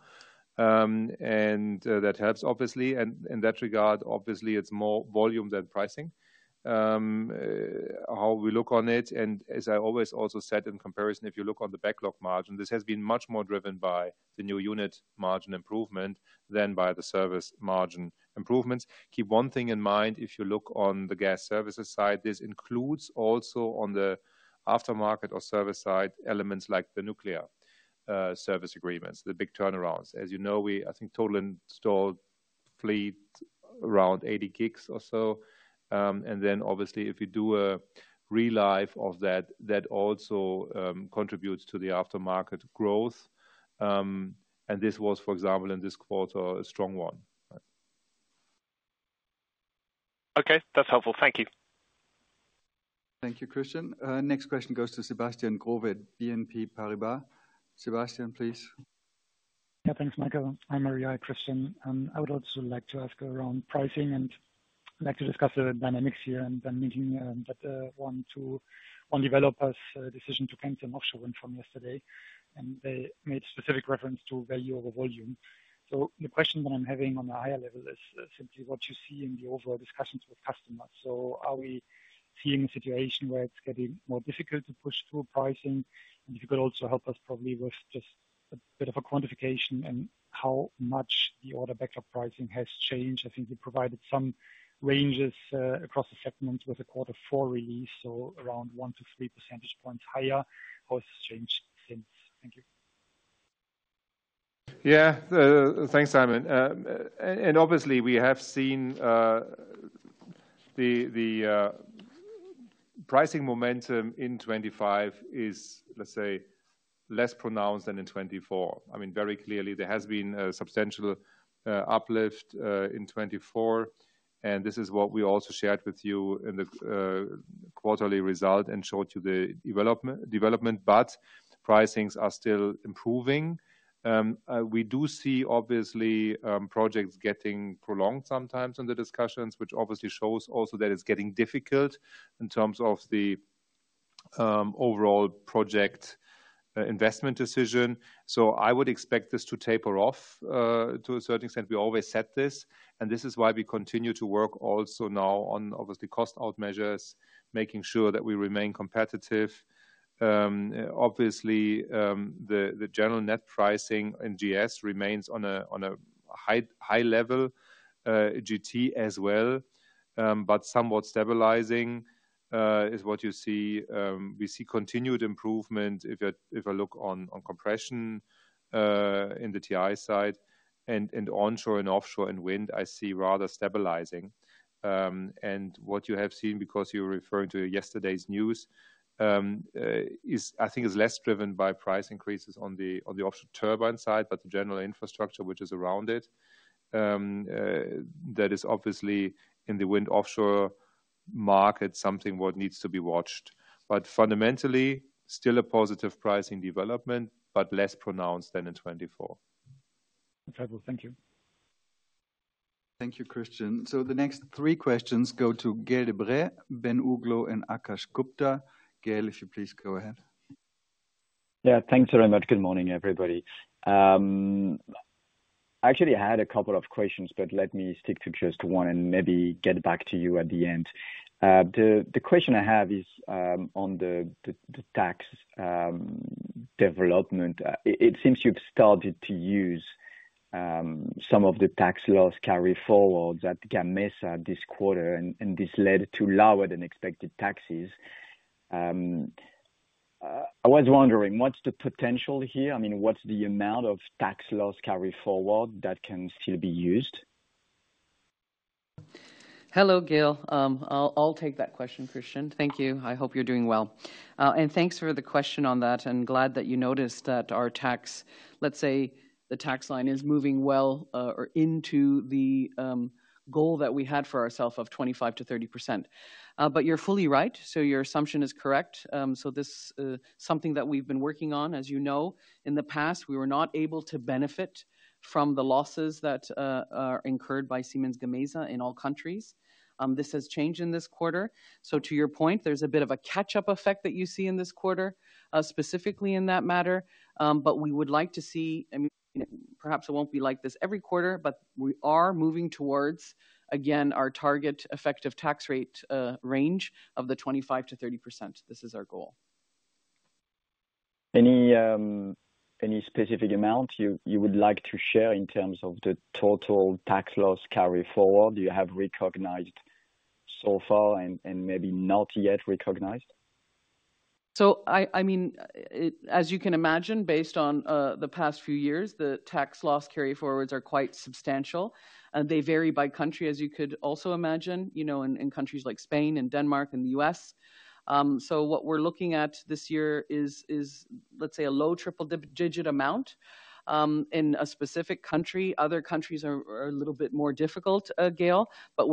That helps, obviously. In that regard, obviously, it's more volume than pricing, how we look on it. As I always also said in comparison, if you look on the backlog margin, this has been much more driven by the new unit margin improvement than by the service margin improvements. Keep one thing in mind, if you look on the Gas Services side, this includes also on the aftermarket or service side elements like the nuclear service agreements, the big turnarounds. As you know, I think total installed fleet around 80 gigs or so. Obviously, if you do a relive of that, that also contributes to the aftermarket growth. This was, for example, in this quarter, a strong one. Okay, that's helpful. Thank you. Thank you, Christian. Next question goes to Sebastian Growe, BNP Paribas. Sebastian, please. Yeah, thanks, Michael. Hi Maria, Christian. I would also like to ask around pricing and like to discuss the dynamics here and then linking that one to on developer's decision to cancel offshore wind from yesterday. They made specific reference to value over volume. The question that I'm having on a higher level is simply what you see in the overall discussions with customers. Are we seeing a situation where it's getting more difficult to push through pricing? If you could also help us probably with just a bit of a quantification in how much the order backlog pricing has changed. I think you provided some ranges across the segments with a quarter four release, so around 1-3 percentage points higher. How has this changed since? Thank you. Yeah, thanks, Simon. Obviously, we have seen the pricing momentum in 2025 is, let's say, less pronounced than in 2024. I mean, very clearly, there has been a substantial uplift in 2024. This is what we also shared with you in the quarterly result and showed you the development. Pricings are still improving. We do see, obviously, projects getting prolonged sometimes in the discussions, which obviously shows also that it's getting difficult in terms of the overall project investment decision. I would expect this to taper off to a certain extent. We always said this. This is why we continue to work also now on, obviously, cost-out measures, making sure that we remain competitive. Obviously, the general net pricing in GS remains on a high level, GT as well, but somewhat stabilizing is what you see. We see continued improvement if I look on compression in the TI side and onshore and offshore and wind, I see rather stabilizing. What you have seen, because you're referring to yesterday's news, I think is less driven by price increases on the offshore turbine side, but the general infrastructure which is around it, that is obviously in the wind offshore market, something what needs to be watched. Fundamentally, still a positive pricing development, but less pronounced than in 2024. Thank you. Thank you, Christian. The next three questions go to Gael De Bray, Ben Uglow, and Akash Gupta. Gael, if you please go ahead. Yeah, thanks very much. Good morning, everybody. Actually, I had a couple of questions, but let me stick to just one and maybe get back to you at the end. The question I have is on the tax development. It seems you've started to use some of the tax loss carry-forwards at Siemens Gamesa this quarter, and this led to lower-than-expected taxes. I was wondering, what's the potential here? I mean, what's the amount of tax loss carry-forward that can still be used? Hello, Gael. I'll take that question, Christian. Thank you. I hope you're doing well. And thanks for the question on that. I'm glad that you noticed that our tax, let's say the tax line is moving well or into the goal that we had for ourself of 25%-30%. But you're fully right. So your assumption is correct. This is something that we've been working on. As you know, in the past, we were not able to benefit from the losses that are incurred by Siemens Gamesa in all countries. This has changed in this quarter. To your point, there's a bit of a catch-up effect that you see in this quarter, specifically in that matter. We would like to see, I mean, perhaps it won't be like this every quarter, but we are moving towards, again, our target effective tax rate range of 25%-30%. This is our goal. Any specific amount you would like to share in terms of the total tax loss carry-forward you have recognized so far and maybe not yet recognized? I mean, as you can imagine, based on the past few years, the tax loss carry-forwards are quite substantial. They vary by country, as you could also imagine, you know, in countries like Spain and Denmark and the U.S. What we're looking at this year is, let's say, a low triple-digit amount in a specific country. Other countries are a little bit more difficult, Gael, but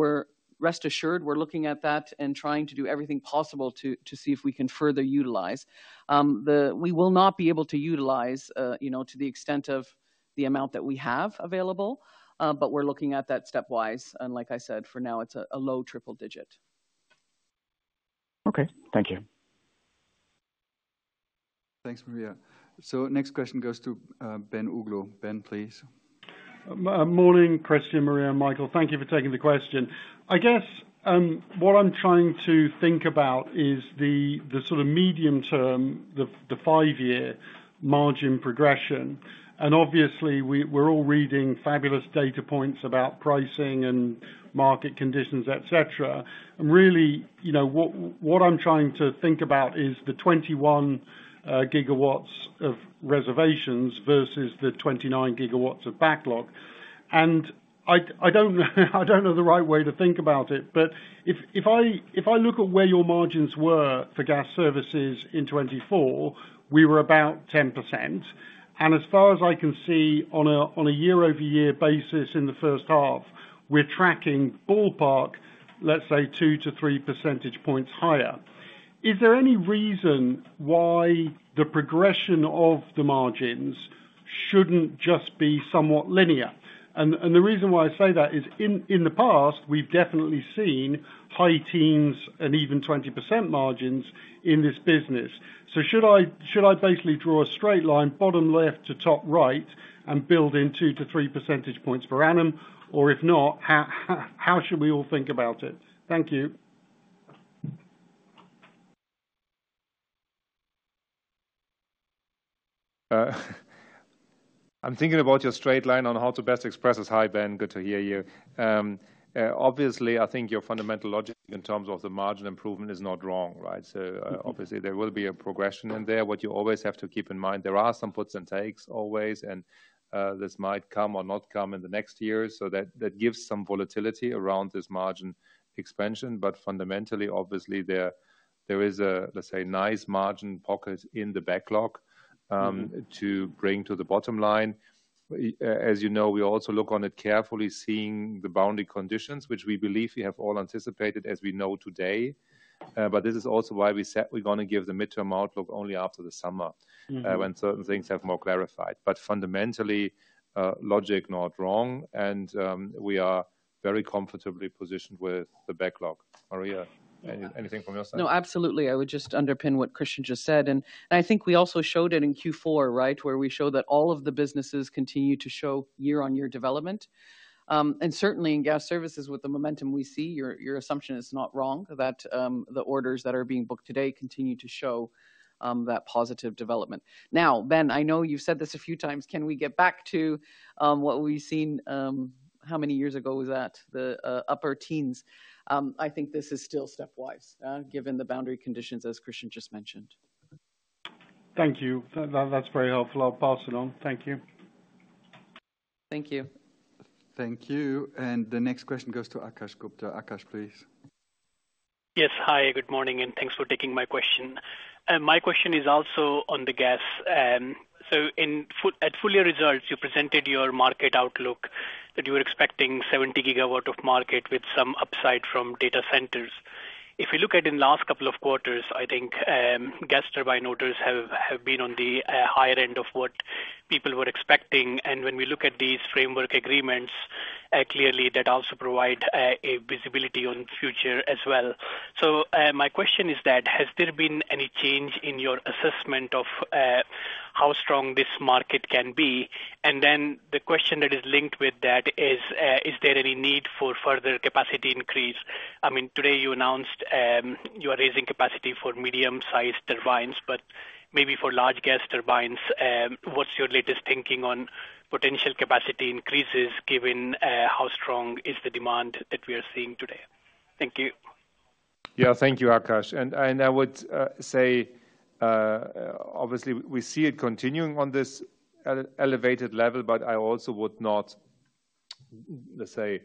rest assured we're looking at that and trying to do everything possible to see if we can further utilize. We will not be able to utilize to the extent of the amount that we have available, but we're looking at that stepwise. Like I said, for now, it's a low triple-digit. Okay, thank you. Thanks, Maria. Next question goes to Ben Uglow. Ben, please. Morning, Christian, Maria, and Michael. Thank you for taking the question. I guess what I'm trying to think about is the sort of medium term, the five-year margin progression. Obviously, we're all reading fabulous data points about pricing and market conditions, etc. Really, what I'm trying to think about is the 21 gigawatts of reservations versus the 29 gigawatts of backlog. I do not know the right way to think about it, but if I look at where your margins were for gas services in 2024, we were about 10%. As far as I can see on a year-over-year basis in the first half, we are tracking ballpark, let's say, two to three percentage points higher. Is there any reason why the progression of the margins should not just be somewhat linear? The reason why I say that is in the past, we have definitely seen high teens and even 20% margins in this business. Should I basically draw a straight line, bottom left to top right, and build in two to three percentage points per annum? If not, how should we all think about it? Thank you. I am thinking about your straight line on how to best express as high, Ben. Good to hear you. Obviously, I think your fundamental logic in terms of the margin improvement is not wrong, right? Obviously, there will be a progression in there. What you always have to keep in mind, there are some puts and takes always, and this might come or not come in the next years. That gives some volatility around this margin expansion. Fundamentally, obviously, there is a, let's say, nice margin pocket in the backlog to bring to the bottom line. As you know, we also look on it carefully, seeing the boundary conditions, which we believe we have all anticipated as we know today. This is also why we said we're going to give the midterm outlook only after the summer when certain things have more clarified. Fundamentally, logic not wrong, and we are very comfortably positioned with the backlog. Maria, anything from your side? No, absolutely. I would just underpin what Christian just said. I think we also showed it in Q4, right, where we showed that all of the businesses continue to show year-on-year development. Certainly in gas services, with the momentum we see, your assumption is not wrong that the orders that are being booked today continue to show that positive development. Now, Ben, I know you've said this a few times. Can we get back to what we've seen? How many years ago was that? The upper teens. I think this is still stepwise, given the boundary conditions, as Christian just mentioned. Thank you. That's very helpful. I'll pass it on. Thank you. Thank you. Thank you. The next question goes to Akash Gupta. Akash, please. Yes, hi, good morning, and thanks for taking my question. My question is also on the Gas. At full year results, you presented your market outlook that you were expecting 70 gigawatts of market with some upside from data centers. If you look at in the last couple of quarters, I think gas turbine orders have been on the higher end of what people were expecting. When we look at these framework agreements, clearly that also provides a visibility on future as well. My question is, has there been any change in your assessment of how strong this market can be? The question that is linked with that is, is there any need for further capacity increase? I mean, today you announced you are raising capacity for medium-sized turbines, but maybe for large gas turbines, what's your latest thinking on potential capacity increases given how strong is the demand that we are seeing today? Thank you. Yeah, thank you, Akash. I would say, obviously, we see it continuing on this elevated level, but I also would not, let's say,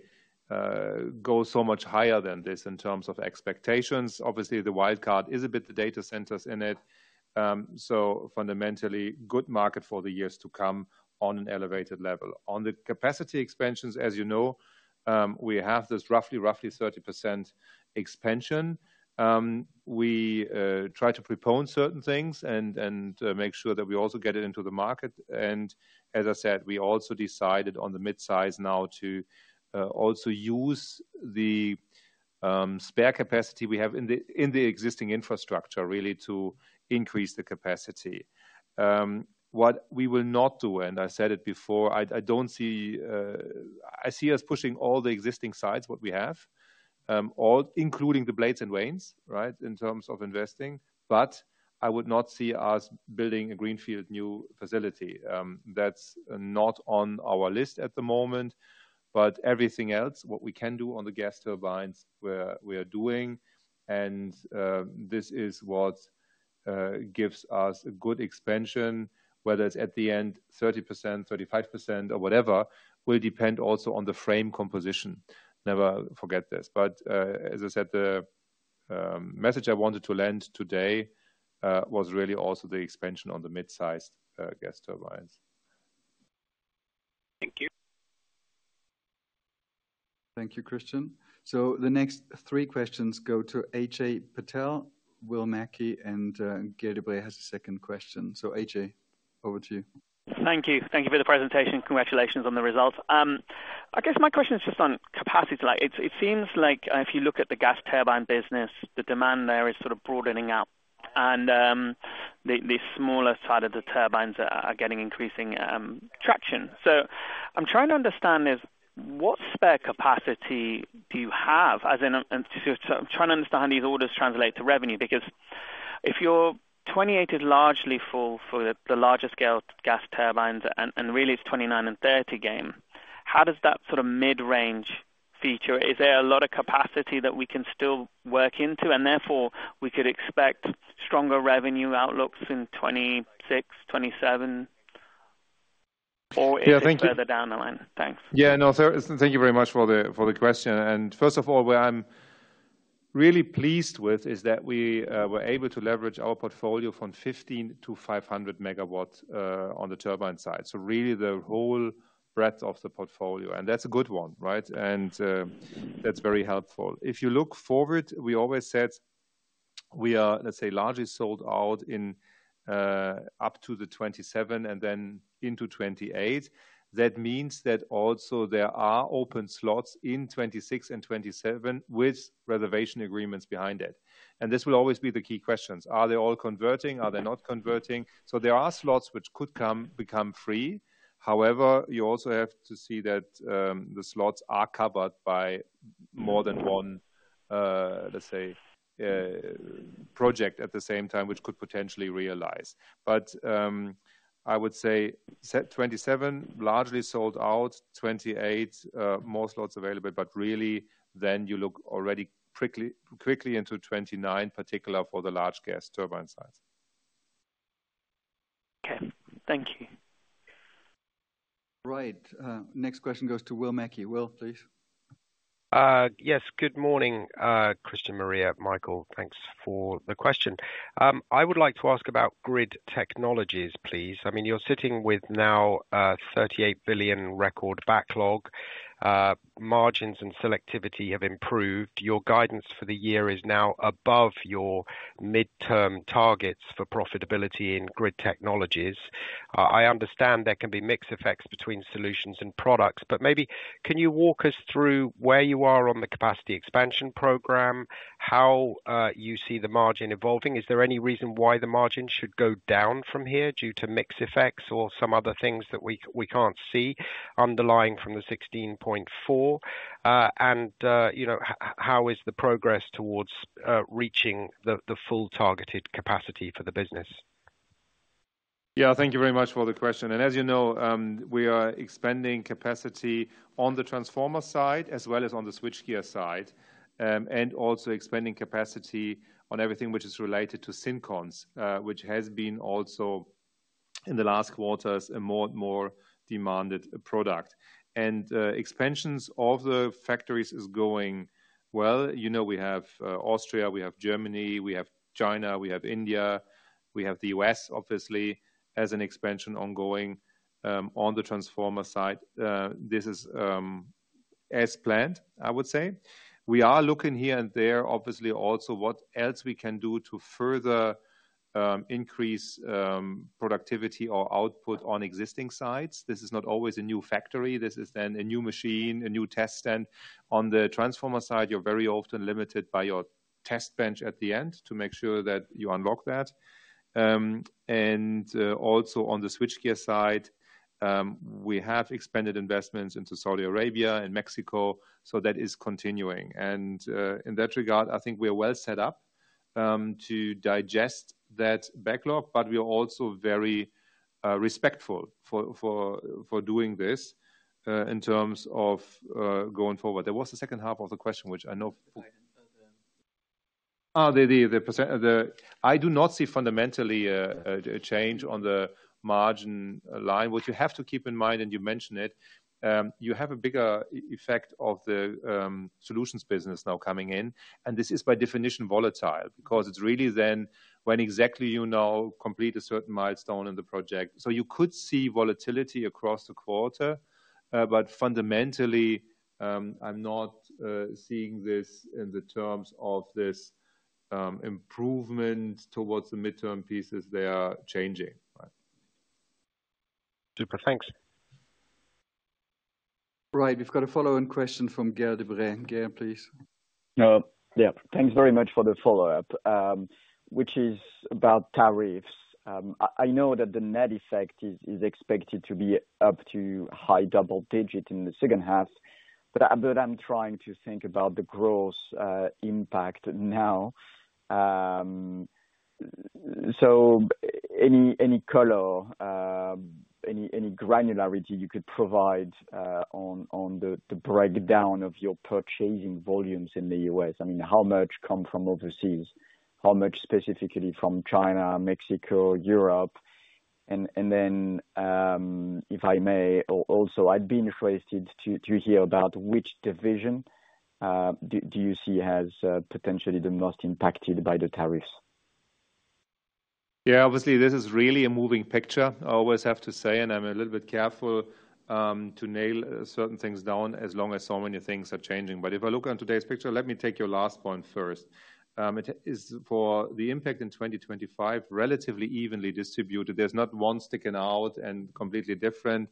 go so much higher than this in terms of expectations. Obviously, the wild card is a bit the data centers in it. Fundamentally, good market for the years to come on an elevated level. On the capacity expansions, as you know, we have this roughly 30% expansion. We try to pre-pone certain things and make sure that we also get it into the market. As I said, we also decided on the mid-size now to also use the spare capacity we have in the existing infrastructure really to increase the capacity. What we will not do, and I said it before, I do not see us pushing all the existing sites, what we have, including the blades and vanes, right, in terms of investing. I would not see us building a greenfield new facility. That is not on our list at the moment. Everything else, what we can do on the gas turbines, we are doing. This is what gives us a good expansion, whether it is at the end 30%, 35%, or whatever, will depend also on the frame composition. Never forget this. As I said, the message I wanted to lend today was really also the expansion on the mid-sized gas turbines. Thank you. Thank you, Christian. The next three questions go to Ajay Patel, Will Mackie, and Gael De Bray has a second question. Ajay, over to you. Thank you. Thank you for the presentation. Congratulations on the results. I guess my question is just on capacity. It seems like if you look at the gas turbine business, the demand there is sort of broadening out. The smaller side of the turbines are getting increasing traction. I'm trying to understand what spare capacity you have as an. I'm trying to understand how these orders translate to revenue because if you're. Twenty-eight is largely for the larger scale gas turbines and really it's twenty-nine and thirty game. How does that sort of mid-range feature? Is there a lot of capacity that we can still work into and therefore we could expect stronger revenue outlooks in 2026-2027? Or is it further down the line? Thanks. Yeah, thank you very much for the question. First of all, what I'm really pleased with is that we were able to leverage our portfolio from 15 to 500 megawatts on the turbine side. Really the whole breadth of the portfolio. That's a good one, right? That's very helpful. If you look forward, we always said we are, let's say, largely sold out in up to the 2027 and then into 2028. That means that also there are open slots in 2026 and 2027 with reservation agreements behind it. This will always be the key questions: Are they all converting? Are they not converting? There are slots which could become free. However, you also have to see that the slots are covered by more than one, let's say, project at the same time which could potentially realize. I would say 2027 largely sold out, 2028 more slots available, but really then you look already quickly into 2029, particular for the large gas turbine sites. Okay, thank you. Right. Next question goes to Will Mackie. Will, please. Yes, good morning, Christian, Maria, Michael. Thanks for the question. I would like to ask about Grid Technologies, please. I mean, you're sitting with now a 38 billion record backlog. Margins and selectivity have improved. Your guidance for the year is now above your midterm targets for profitability in Grid Technologies. I understand there can be mixed effects between solutions and products, but maybe can you walk us through where you are on the capacity expansion program, how you see the margin evolving? Is there any reason why the margin should go down from here due to mixed effects or some other things that we can't see underlying from the 16.4%? And how is the progress towards reaching the full targeted capacity for the business? Yeah, thank you very much for the question. As you know, we are expanding capacity on the transformer side as well as on the switchgear side and also expanding capacity on everything which is related to syncons, which has been also in the last quarters a more and more demanded product. Expansions of the factories are going well. You know, we have Austria, we have Germany, we have China, we have India, we have the U.S., obviously, as an expansion ongoing on the transformer side. This is as planned, I would say. We are looking here and there, obviously, also what else we can do to further increase productivity or output on existing sites. This is not always a new factory. This is then a new machine, a new test stand. On the transformer side, you are very often limited by your test bench at the end to make sure that you unlock that. Also on the switchgear side, we have expanded investments into Saudi Arabia and Mexico. That is continuing. In that regard, I think we are well set up to digest that backlog, but we are also very respectful for doing this in terms of going forward. There was a second half of the question, which I know. Oh, the percentage. I do not see fundamentally a change on the margin line. What you have to keep in mind, and you mentioned it, you have a bigger effect of the Solutions business now coming in. This is by definition volatile because it is really then when exactly you now complete a certain milestone in the project. You could see volatility across the quarter, but fundamentally, I am not seeing this in terms of this improvement towards the midterm pieces they are changing. Super thanks. Right. We've got a follow-on question from Gael De Bray. Gael, please. Yeah, thanks very much for the follow-up, which is about tariffs. I know that the net effect is expected to be up to high double-digit in the second half, but I'm trying to think about the gross impact now. So any color, any granularity you could provide on the breakdown of your purchasing volumes in the U.S.? I mean, how much come from overseas? How much specifically from China, Mexico, Europe? If I may, also I'd be interested to hear about which division do you see as potentially the most impacted by the tariffs? Yeah, obviously, this is really a moving picture. I always have to say, and I'm a little bit careful to nail certain things down as long as so many things are changing. If I look on today's picture, let me take your last point first. It is for the impact in 2025, relatively evenly distributed. There is not one sticking out and completely different.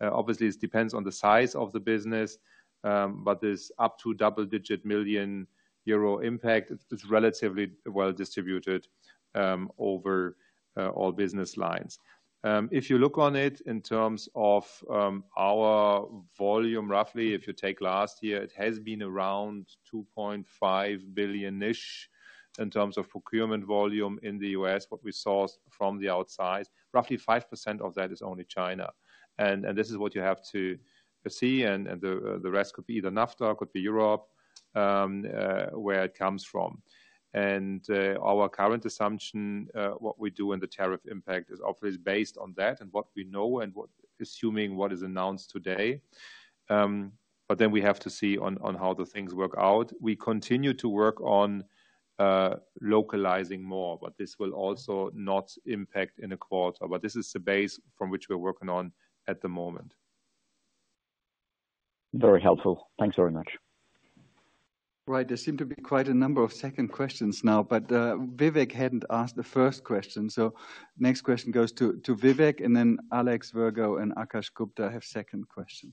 Obviously, it depends on the size of the business, but this up to double-digit million euro impact, it is relatively well distributed over all business lines. If you look on it in terms of our volume, roughly, if you take last year, it has been around 2.5 billion-ish in terms of procurement volume in the U.S., what we saw from the outside. Roughly 5% of that is only China. This is what you have to see. The rest could be either NAFTA, could be Europe, where it comes from. Our current assumption, what we do in the tariff impact, is obviously based on that and what we know and assuming what is announced today. But then we have to see on how the things work out. We continue to work on localizing more, but this will also not impact in a quarter. This is the base from which we're working on at the moment. Very helpful. Thanks very much. Right. There seem to be quite a number of second questions now, but Vivek had not asked the first question. Next question goes to Vivek, and then Alex Virgo and Akash Gupta have second questions.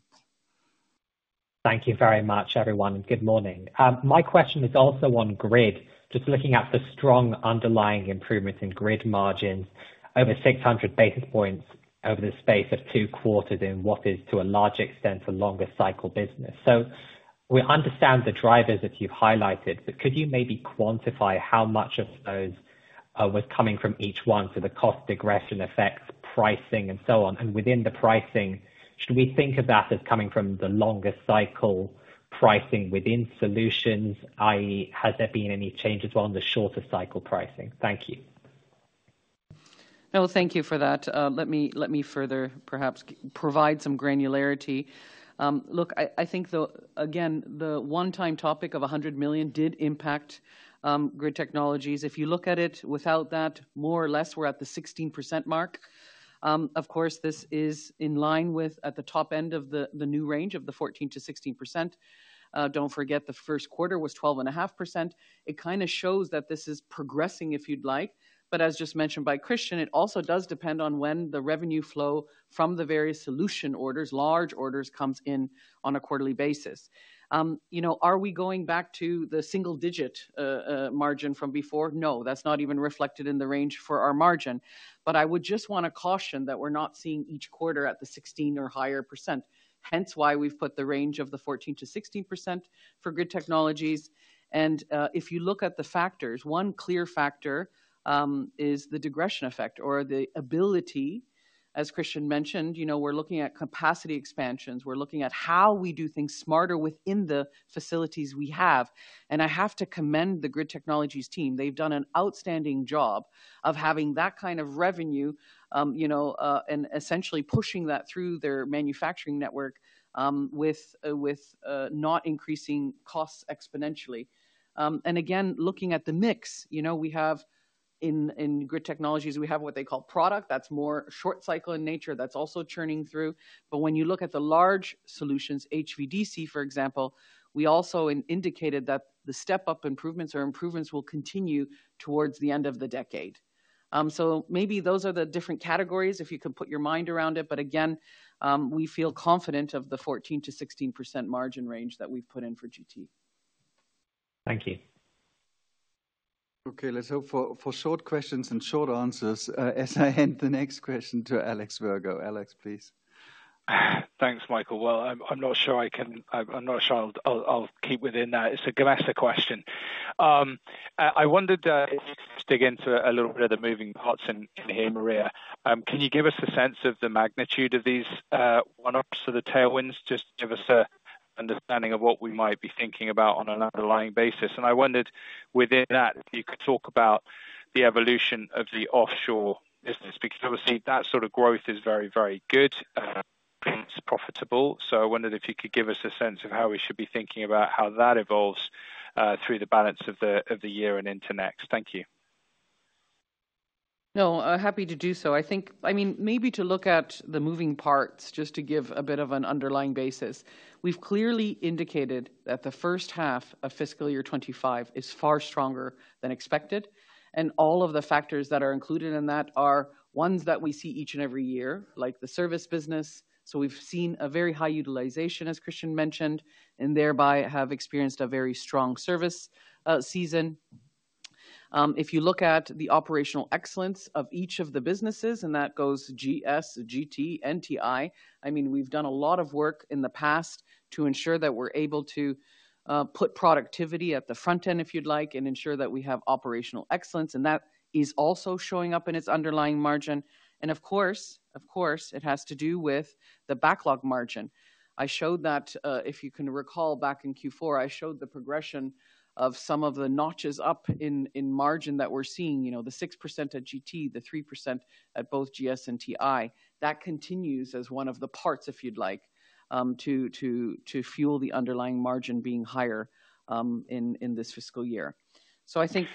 Thank you very much, everyone, and good morning. My question is also on Grid, just looking at the strong underlying improvements in Grid margins over 600 basis points over the space of two quarters in what is to a large extent a longer cycle business. We understand the drivers that you've highlighted, but could you maybe quantify how much of those was coming from each one? The cost regression effects, pricing, and so on. And within the pricing, should we think of that as coming from the longer cycle pricing within Solutions, i.e., has there been any changes on the shorter cycle pricing? Thank you. Thank you for that. Let me further perhaps provide some granularity. Look, I think, again, the one-time topic of 100 million did impact Grid Technologies. If you look at it without that, more or less, we are at the 16% mark. Of course, this is in line with at the top end of the new range of the 14%-16%. Do not forget the first quarter was 12.5%. It kind of shows that this is progressing, if you would like. But as just mentioned by Christian, it also does depend on when the revenue flow from the various solution orders, large orders, comes in on a quarterly basis. Are we going back to the single-digit margin from before? No, that's not even reflected in the range for our margin. I would just want to caution that we're not seeing each quarter at the 16% or higher. Hence why we've put the range of the 14%-16% for Grid Technologies. If you look at the factors, one clear factor is the digression effect or the ability, as Christian mentioned, we're looking at capacity expansions. We're looking at how we do things smarter within the facilities we have. I have to commend the grid technologies team. They've done an outstanding job of having that kind of revenue and essentially pushing that through their manufacturing network with not increasing costs exponentially. Again, looking at the mix, we have in Grid Technologies, we have what they call product that's more short cycle in nature that's also churning through. When you look at the large solutions, HVDC, for example, we also indicated that the step-up improvements or improvements will continue towards the end of the decade. Maybe those are the different categories if you could put your mind around it. Again, we feel confident of the 14%-16% margin range that we've put in for GT. Thank you. Okay, let's hope for short questions and short answers as I hand the next question to Alex Virgo. Alex, please. Thanks, Michael. I'm not sure I'll keep within that. It's a grassy question. I wondered if you could just dig into a little bit of the moving parts in here, Maria. Can you give us a sense of the magnitude of these one-offs or the tailwinds? Just give us an understanding of what we might be thinking about on an underlying basis. I wondered within that, if you could talk about the evolution of the offshore business because obviously that sort of growth is very, very good. It is profitable. I wondered if you could give us a sense of how we should be thinking about how that evolves through the balance of the year and into next. Thank you. No, happy to do so. I think, I mean, maybe to look at the moving parts just to give a bit of an underlying basis. We have clearly indicated that the first half of fiscal year 2025 is far stronger than expected All of the factors that are included in that are ones that we see each and every year, like the service business. We have seen a very high utilization, as Christian mentioned, and thereby have experienced a very strong service season. If you look at the operational excellence of each of the businesses, and that goes GS, GT, and TI. I mean, we have done a lot of work in the past to ensure that we are able to put productivity at the front end, if you would like, and ensure that we have operational excellence. That is also showing up in its underlying margin. Of course, it has to do with the backlog margin. I showed that, if you can recall back in Q4, I showed the progression of some of the notches up in margin that we're seeing, the 6% at GT, the 3% at both GS and TI. That continues as one of the parts, if you'd like, to fuel the underlying margin being higher in this fiscal year. I think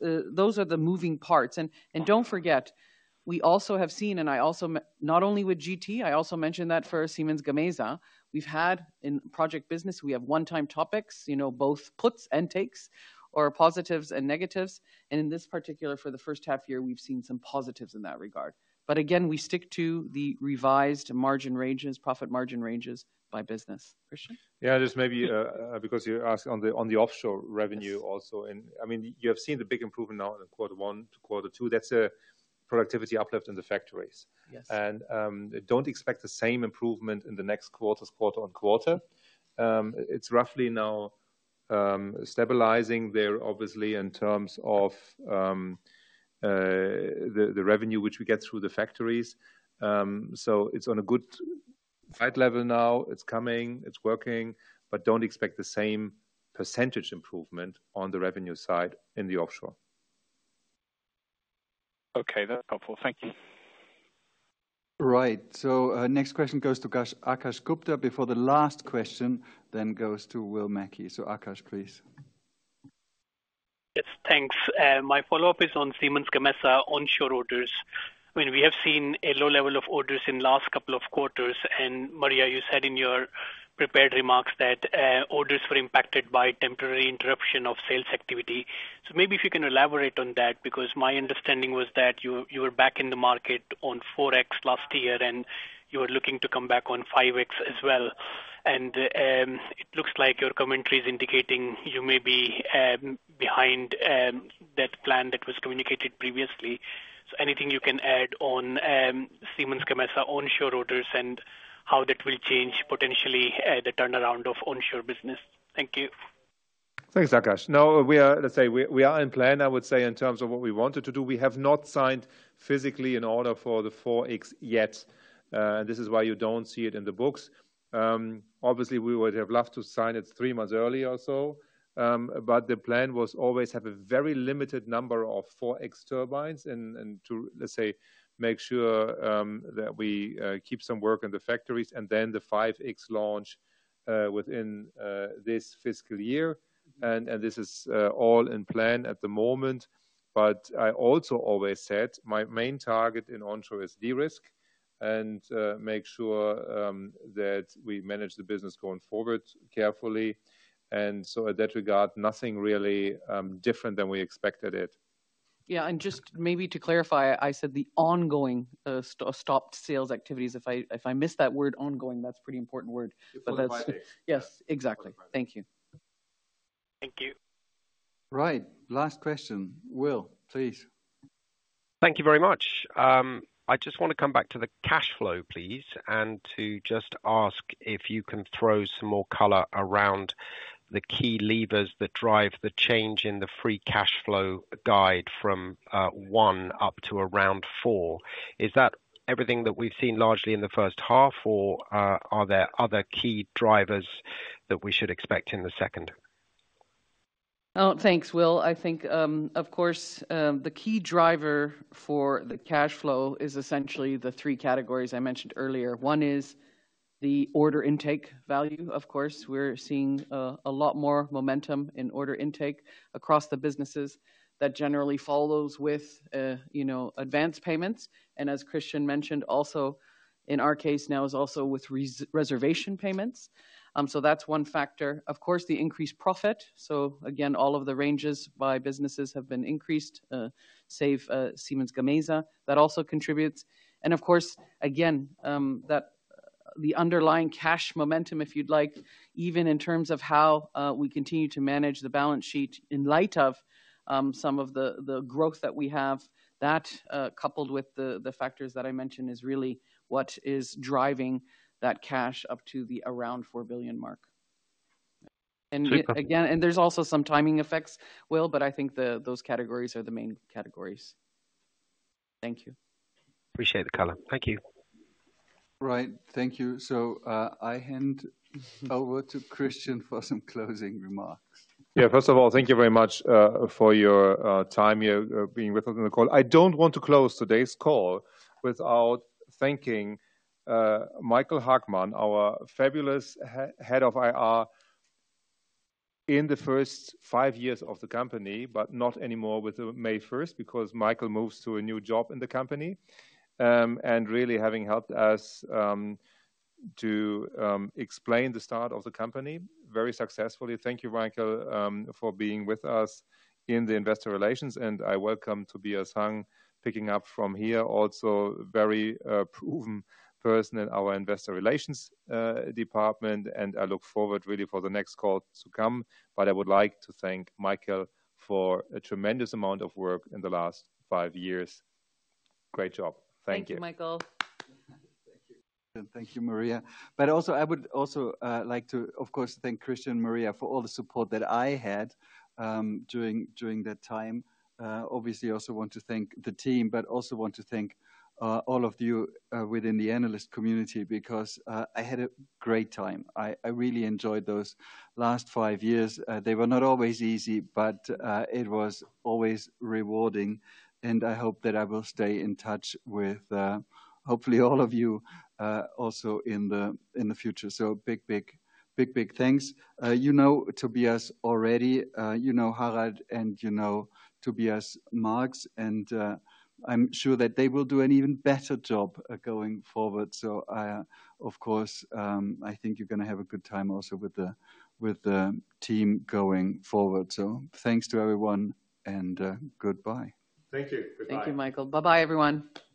those are the moving parts. Do not forget, we also have seen, and I also not only with GT, I also mentioned that for Siemens Gamesa. We've had in project business, we have one-time topics, both puts and takes, or positives and negatives. In this particular, for the first half year, we've seen some positives in that regard. Again, we stick to the revised margin ranges, profit margin ranges by business. Christian? Yeah, just maybe because you asked on the offshore revenue also. I mean, you have seen the big improvement now in Quarter one to Quarter two. That is a productivity uplift in the factories. Do not expect the same improvement in the next quarters, quarter-on-quarter. It is roughly now stabilizing there, obviously, in terms of the revenue which we get through the factories. It is on a good fight level now. It is coming. It is working. Do not expect the same % improvement on the revenue side in the offshore. Okay, that is helpful. Thank you. Right. Next question goes to Akash Gupta before the last question then goes to Will Mackie. Akash, please. Yes, thanks. My follow-up is on Siemens Gamesa onshore orders. I mean, we have seen a low level of orders in the last couple of quarters. Maria, you said in your prepared remarks that orders were impacted by temporary interruption of sales activity. Maybe if you can elaborate on that because my understanding was that you were back in the market on 4.X last year and you were looking to come back on 5.X as well. It looks like your commentary is indicating you may be behind that plan that was communicated previously. Anything you can add on Siemens Gamesa onshore orders and how that will change potentially the turnaround of onshore business? Thank you. Thanks, Akash. No, let's say we are in plan, I would say, in terms of what we wanted to do. We have not signed physically an order for the 4.X yet. This is why you do not see it in the books. Obviously, we would have loved to sign it three months earlier or so. The plan was always to have a very limited number of 4.X turbines and to, let's say, make sure that we keep some work in the factories and then the 5.X launch within this fiscal year. This is all in plan at the moment. I also always said my main target in onshore is de-risk and make sure that we manage the business going forward carefully. In that regard, nothing really different than we expected it. Yeah. Just maybe to clarify, I said the ongoing stopped sales activities. If I missed that word, ongoing, that is a pretty important word. Yes, exactly. Thank you. Thank you. Right. Last question. Will, please. Thank you very much. I just want to come back to the cash flow, please, and to just ask if you can throw some more color around the key levers that drive the change in the free cash flow guide from 1 billion up to around 4 billion. Is that everything that we've seen largely in the first half, or are there other key drivers that we should expect in the second? Thanks, Will. I think, of course, the key driver for the cash flow is essentially the three categories I mentioned earlier. One is the order intake value. Of course, we're seeing a lot more momentum in order intake across the businesses that generally follows with advance payments. As Christian mentioned, also in our case now is also with reservation payments. That's one factor. Of course, the increased profit. Again, all of the ranges by businesses have been increased, save Siemens Gamesa. That also contributes. Of course, again, the underlying cash momentum, if you'd like, even in terms of how we continue to manage the balance sheet in light of some of the growth that we have, that coupled with the factors that I mentioned is really what is driving that cash up to the around 4 billion mark. Again, there's also some timing effects, Will, but I think those categories are the main categories. Thank you. Appreciate the color. Thank you. Right. Thank you. I hand over to Christian for some closing remarks. Yeah, first of all, thank you very much for your time here being with us on the call. I do not want to close today's call without thanking Michael Hagmann, our fabulous head of IR in the first five years of the company, but not anymore with May 1st because Michael moves to a new job in the company and really having helped us to explain the start of the company very successfully. Thank you, Michael, for being with us in the Investor Relations. I welcome Tobias Hang picking up from here, also a very proven person in our Investor Relations department. I look forward really for the next call to come. I would like to thank Michael for a tremendous amount of work in the last five years. Great job. Thank you, Michael. Thank you, Maria. I would also like to, of course, thank Christian and Maria for all the support that I had during that time. Obviously, I also want to thank the team, but also want to thank all of you within the analyst community because I had a great time. I really enjoyed those last five years. They were not always easy, but it was always rewarding. I hope that I will stay in touch with hopefully all of you also in the future. Big, big, big, big thanks. You know Tobias already. You know Harald and you know Tobias Marx. I am sure that they will do an even better job going forward. I think you are going to have a good time also with the team going forward. Thanks to everyone and goodbye. Thank you. Goodbye. Thank you, Michael. Bye-bye, everyone.